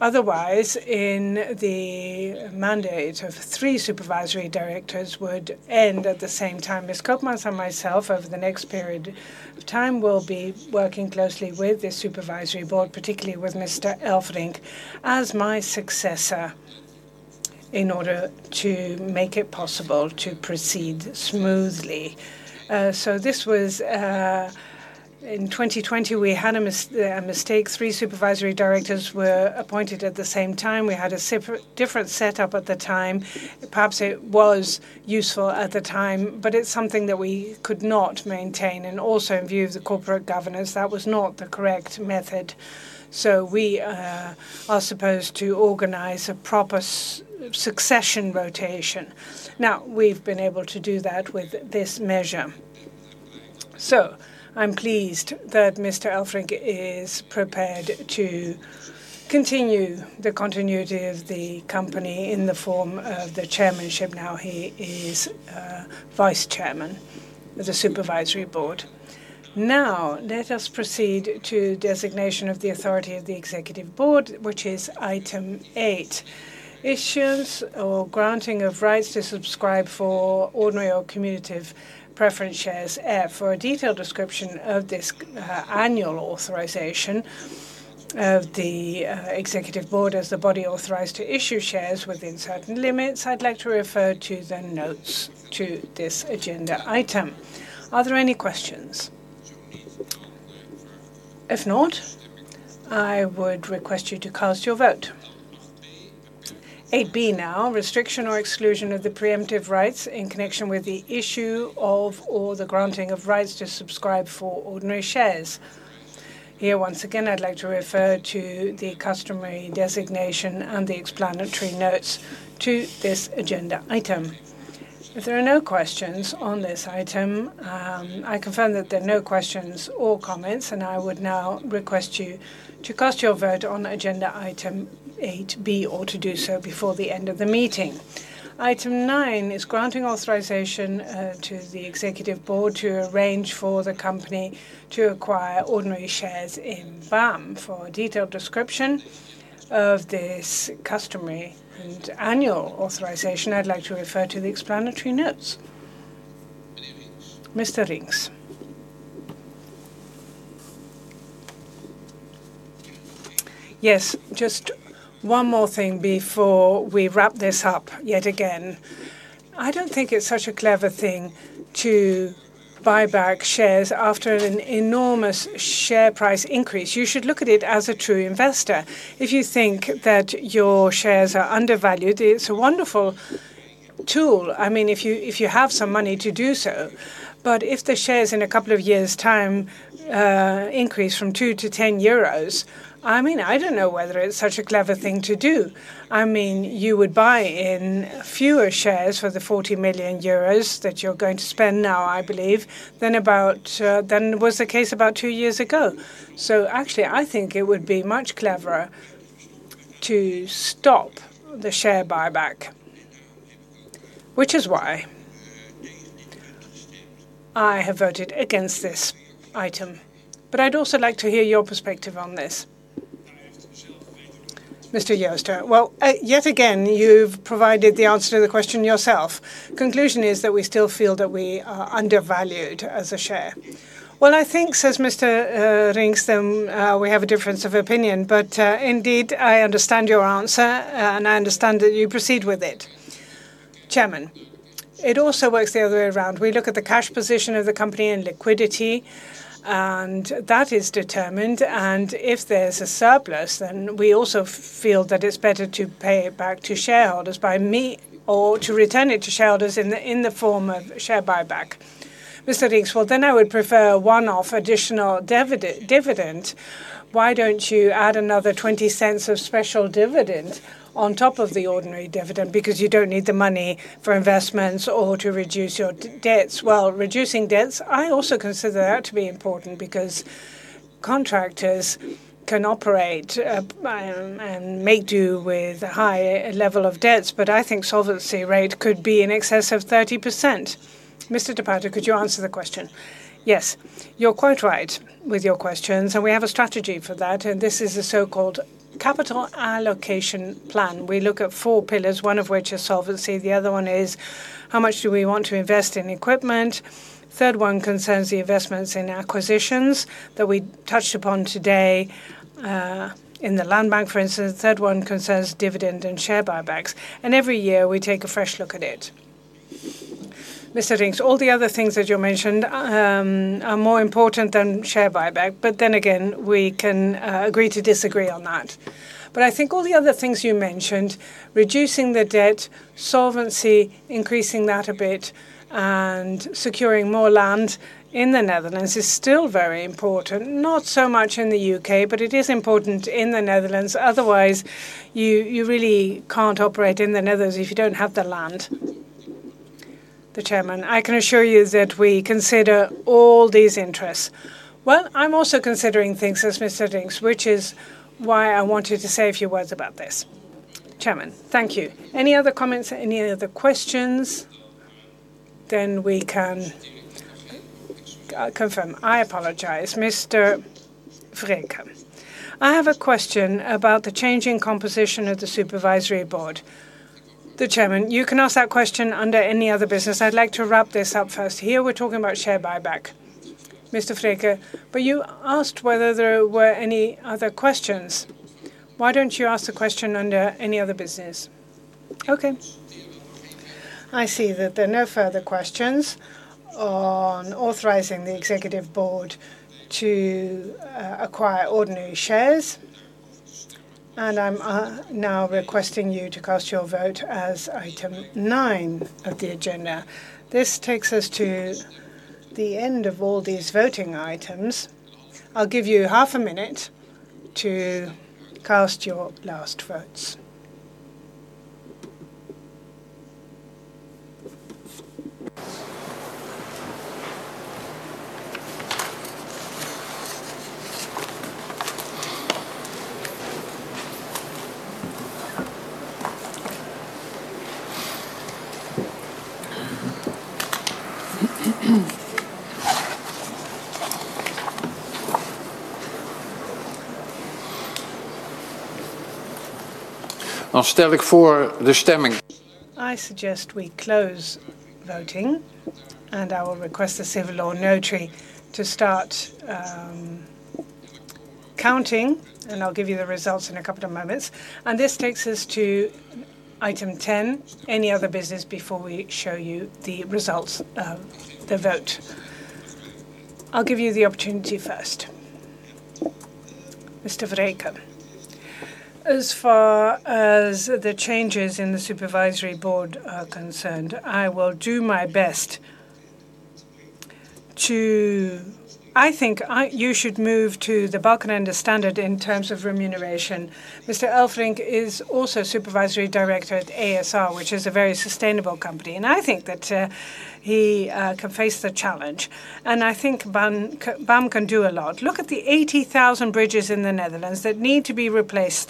Otherwise, the mandate of three supervisory directors would end at the same time. Ms. Koopmans and myself, over the next period of time, will be working closely with the Supervisory Board, particularly with Mr. Elfring as my successor, in order to make it possible to proceed smoothly. In 2020, we had a mistake. Three supervisory directors were appointed at the same time. We had a different setup at the time. Perhaps it was useful at the time, but it's something that we could not maintain. In view of the corporate governance, that was not the correct method. We are supposed to organize a proper succession rotation. We've been able to do that with this measure. I'm pleased that Mr. Elfring is prepared to continue the continuity of the company in the form of the chairmanship. He is Vice Chairman of the Supervisory Board. Let us proceed to designation of the authority of the Executive Board, which is Item 8, issuance or granting of rights to subscribe for ordinary or cumulative preference shares. For a detailed description of this annual authorization of the Executive Board as the body authorized to issue shares within certain limits, I'd like to refer to the notes to this agenda item. Are there any questions? If not, I would request you to cast your vote. 8B now, restriction or exclusion of the preemptive rights in connection with the issue of or the granting of rights to subscribe for ordinary shares. Here, once again, I'd like to refer to the customary designation and the explanatory notes to this agenda item. If there are no questions on this item, I confirm that there are no questions or comments, and I would now request you to cast your vote on Agenda Item 8B or to do so before the end of the meeting. Item 9 is granting authorization to the Executive Board to arrange for the company to acquire ordinary shares in BAM. For a detailed description of this customary and annual authorization, I'd like to refer to the explanatory notes. Mr. Rinks. Yes, just one more thing before we wrap this up yet again. I don't think it's such a clever thing to buy back shares after an enormous share price increase. You should look at it as a true investor. If you think that your shares are undervalued, it's a wonderful tool. I mean, if you have some money to do so. If the shares in a couple of years' time, increase from 2 to 10 euros, I mean, I don't know whether it's such a clever thing to do. I mean, you would buy in fewer shares for the 40 million euros that you're going to spend now, I believe, than was the case about two years ago. Actually, I think it would be much cleverer to stop the share buyback, which is why I have voted against this item. I'd also like to hear your perspective on this. Well, yet again, you've provided the answer to the question yourself. Conclusion is that we still feel that we are undervalued as a share. Well, I think, says Mr. Rinks, we have a difference of opinion. Indeed, I understand your answer, and I understand that you proceed with it. It also works the other way around. We look at the cash position of the company and liquidity, and that is determined. If there's a surplus, we also feel that it's better to pay it back to shareholders or to return it to shareholders in the form of share buyback. I would prefer one-off additional dividend. Why don't you add another 0.20 of special dividend on top of the ordinary dividend? You don't need the money for investments or to reduce your debts. Reducing debts, I also consider that to be important because contractors can operate and make do with a high level of debts, but I think solvency rate could be in excess of 30%. Mr. de Pater, could you answer the question? Yes. You're quite right with your questions, we have a strategy for that. This is a so-called capital allocation plan. We look at four pillars, one of which is solvency. The other one is, how much do we want to invest in equipment? Third one concerns the investments in acquisitions that we touched upon today, in the land bank, for instance. Third one concerns dividend and share buybacks. Every year, we take a fresh look at it. All the other things that you mentioned, are more important than share buyback. We can agree to disagree on that. I think all the other things you mentioned, reducing the debt, solvency, increasing that a bit, and securing more land in the Netherlands is still very important. Not so much in the U.K., but it is important in the Netherlands. Otherwise, you really can't operate in the Netherlands if you don't have the land. I can assure you that we consider all these interests. Well, I'm also considering things, says Mr. Rinks, which is why I wanted to say a few words about this. Thank you. Any other comments? Any other questions? We can confirm. I apologize have a question about the changing composition of the Supervisory Board. You can ask that question under any other business. I'd like to wrap this up first. Here, we're talking about share buyback. You asked whether there were any other questions. Why don't you ask the question under any other business? Okay, I see that there are no further questions on authorizing the Executive Board to acquire ordinary shares. I'm now requesting you to cast your vote as item 9 of the agenda. This takes us to the end of all these voting items. I'll give you half a minute to cast your last votes. I suggest we close voting. I will request the civil law notary to start counting and I'll give you the results in a couple of moments. This takes us to Item 10. Any other business before we show you the results of the vote? I'll give you the opportunity first. As far as the changes in the Supervisory Board are concerned, I think you should move to the Balkenende standard in terms of remuneration. Mr. Elfring is also supervisory director at ASR, which is a very sustainable company. I think that he can face the challenge. I think BAM can do a lot. Look at the 80,000 bridges in the Netherlands that need to be replaced.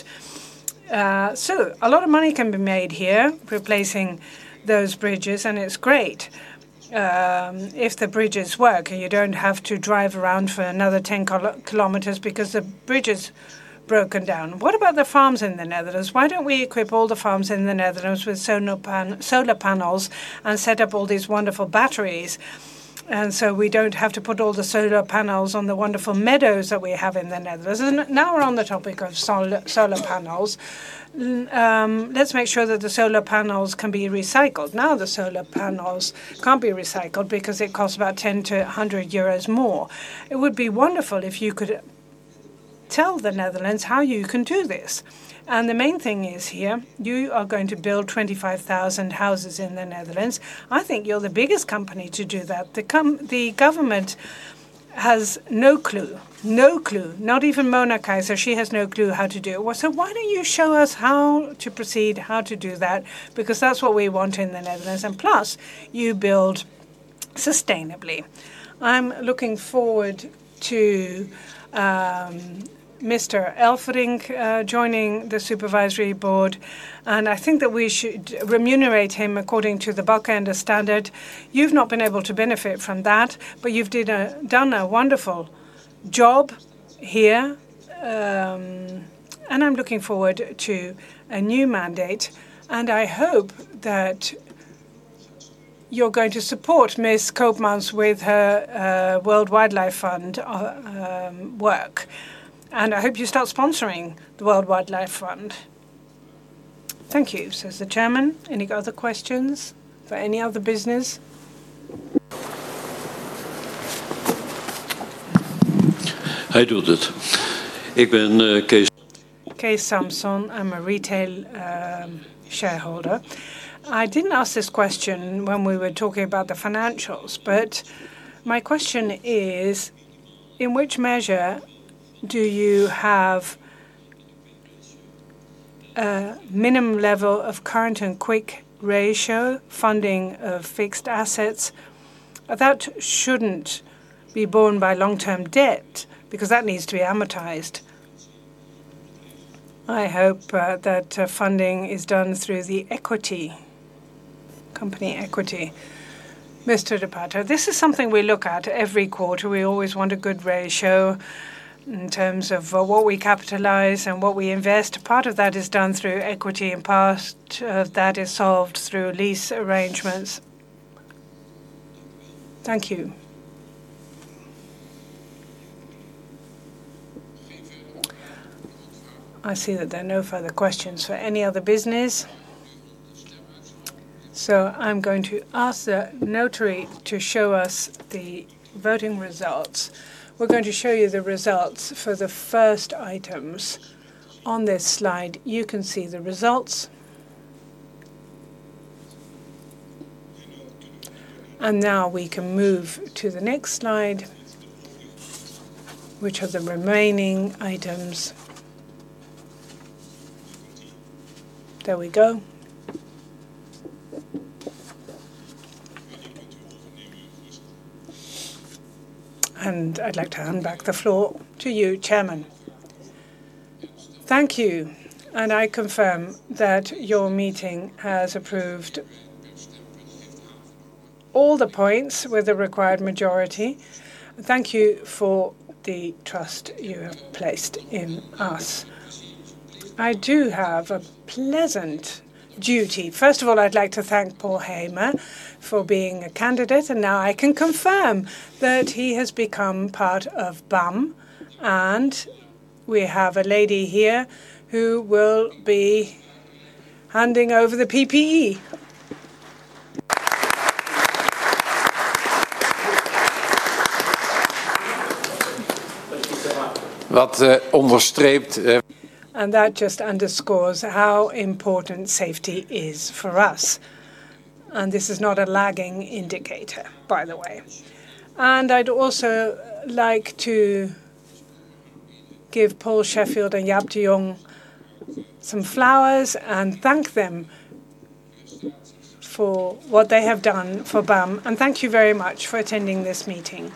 A lot of money can be made here replacing those bridges, and it's great if the bridges work, and you don't have to drive around for another 10 km because the bridge has broken down. What about the farms in the Netherlands? Why don't we equip all the farms in the Netherlands with solar panels and set up all these wonderful batteries, and so we don't have to put all the solar panels on the wonderful meadows that we have in the Netherlands? Now we're on the topic of solar panels, let's make sure that the solar panels can be recycled. Now the solar panels can't be recycled because it costs about 10-100 euros more. It would be wonderful if you could tell the Netherlands how you can do this. The main thing is here, you are going to build 25,000 houses in the Netherlands. I think you're the biggest company to do that. The government has no clue. No clue. Not even Mona Keijzer, she has no clue how to do it. Why don't you show us how to proceed, how to do that? That's what we want in the Netherlands, and plus you build sustainably. I'm looking forward to Mr. Elfring joining the Supervisory Board, and I think that we should remunerate him according to the Balkenende standard. You've not been able to benefit from that, but you've done a wonderful job here. I'm looking forward to a new mandate, and I hope that you're going to support Ms. Koopmans with her World Wildlife Fund work. I hope you start sponsoring the World Wildlife Fund. Thank you. Any other questions for any other business? [Kees Samson], I'm a retail shareholder. I didn't ask this question when we were talking about the financials, but my question is: In which measure do you have a minimum level of current and quick ratio funding of fixed assets? That shouldn't be borne by long-term debt because that needs to be amortized. I hope that funding is done through the equity, company equity. This is something we look at every quarter. We always want a good ratio in terms of what we capitalize and what we invest. Part of that is done through equity and part of that is solved through lease arrangements. Thank you. I see that there are no further questions for any other business. I'm going to ask the notary to show us the voting results. We're going to show you the results for the first items. On this slide, you can see the results. Now we can move to the next slide, which are the remaining items. There we go. I'd like to hand back the floor to you, Chairman. Thank you, and I confirm that your meeting has approved all the points with the required majority. Thank you for the trust you have placed in us. I do have a pleasant duty. First of all, I'd like to thank Paul Hamer for being a candidate, and now I can confirm that he has become part of BAM. We have a lady here who will be handing over the PPE. That just underscores how important safety is for us. This is not a lagging indicator, by the way. I'd also like to give Paul Sheffield and Jaap de Jong some flowers and thank them for what they have done for BAM. Thank you very much for attending this meeting.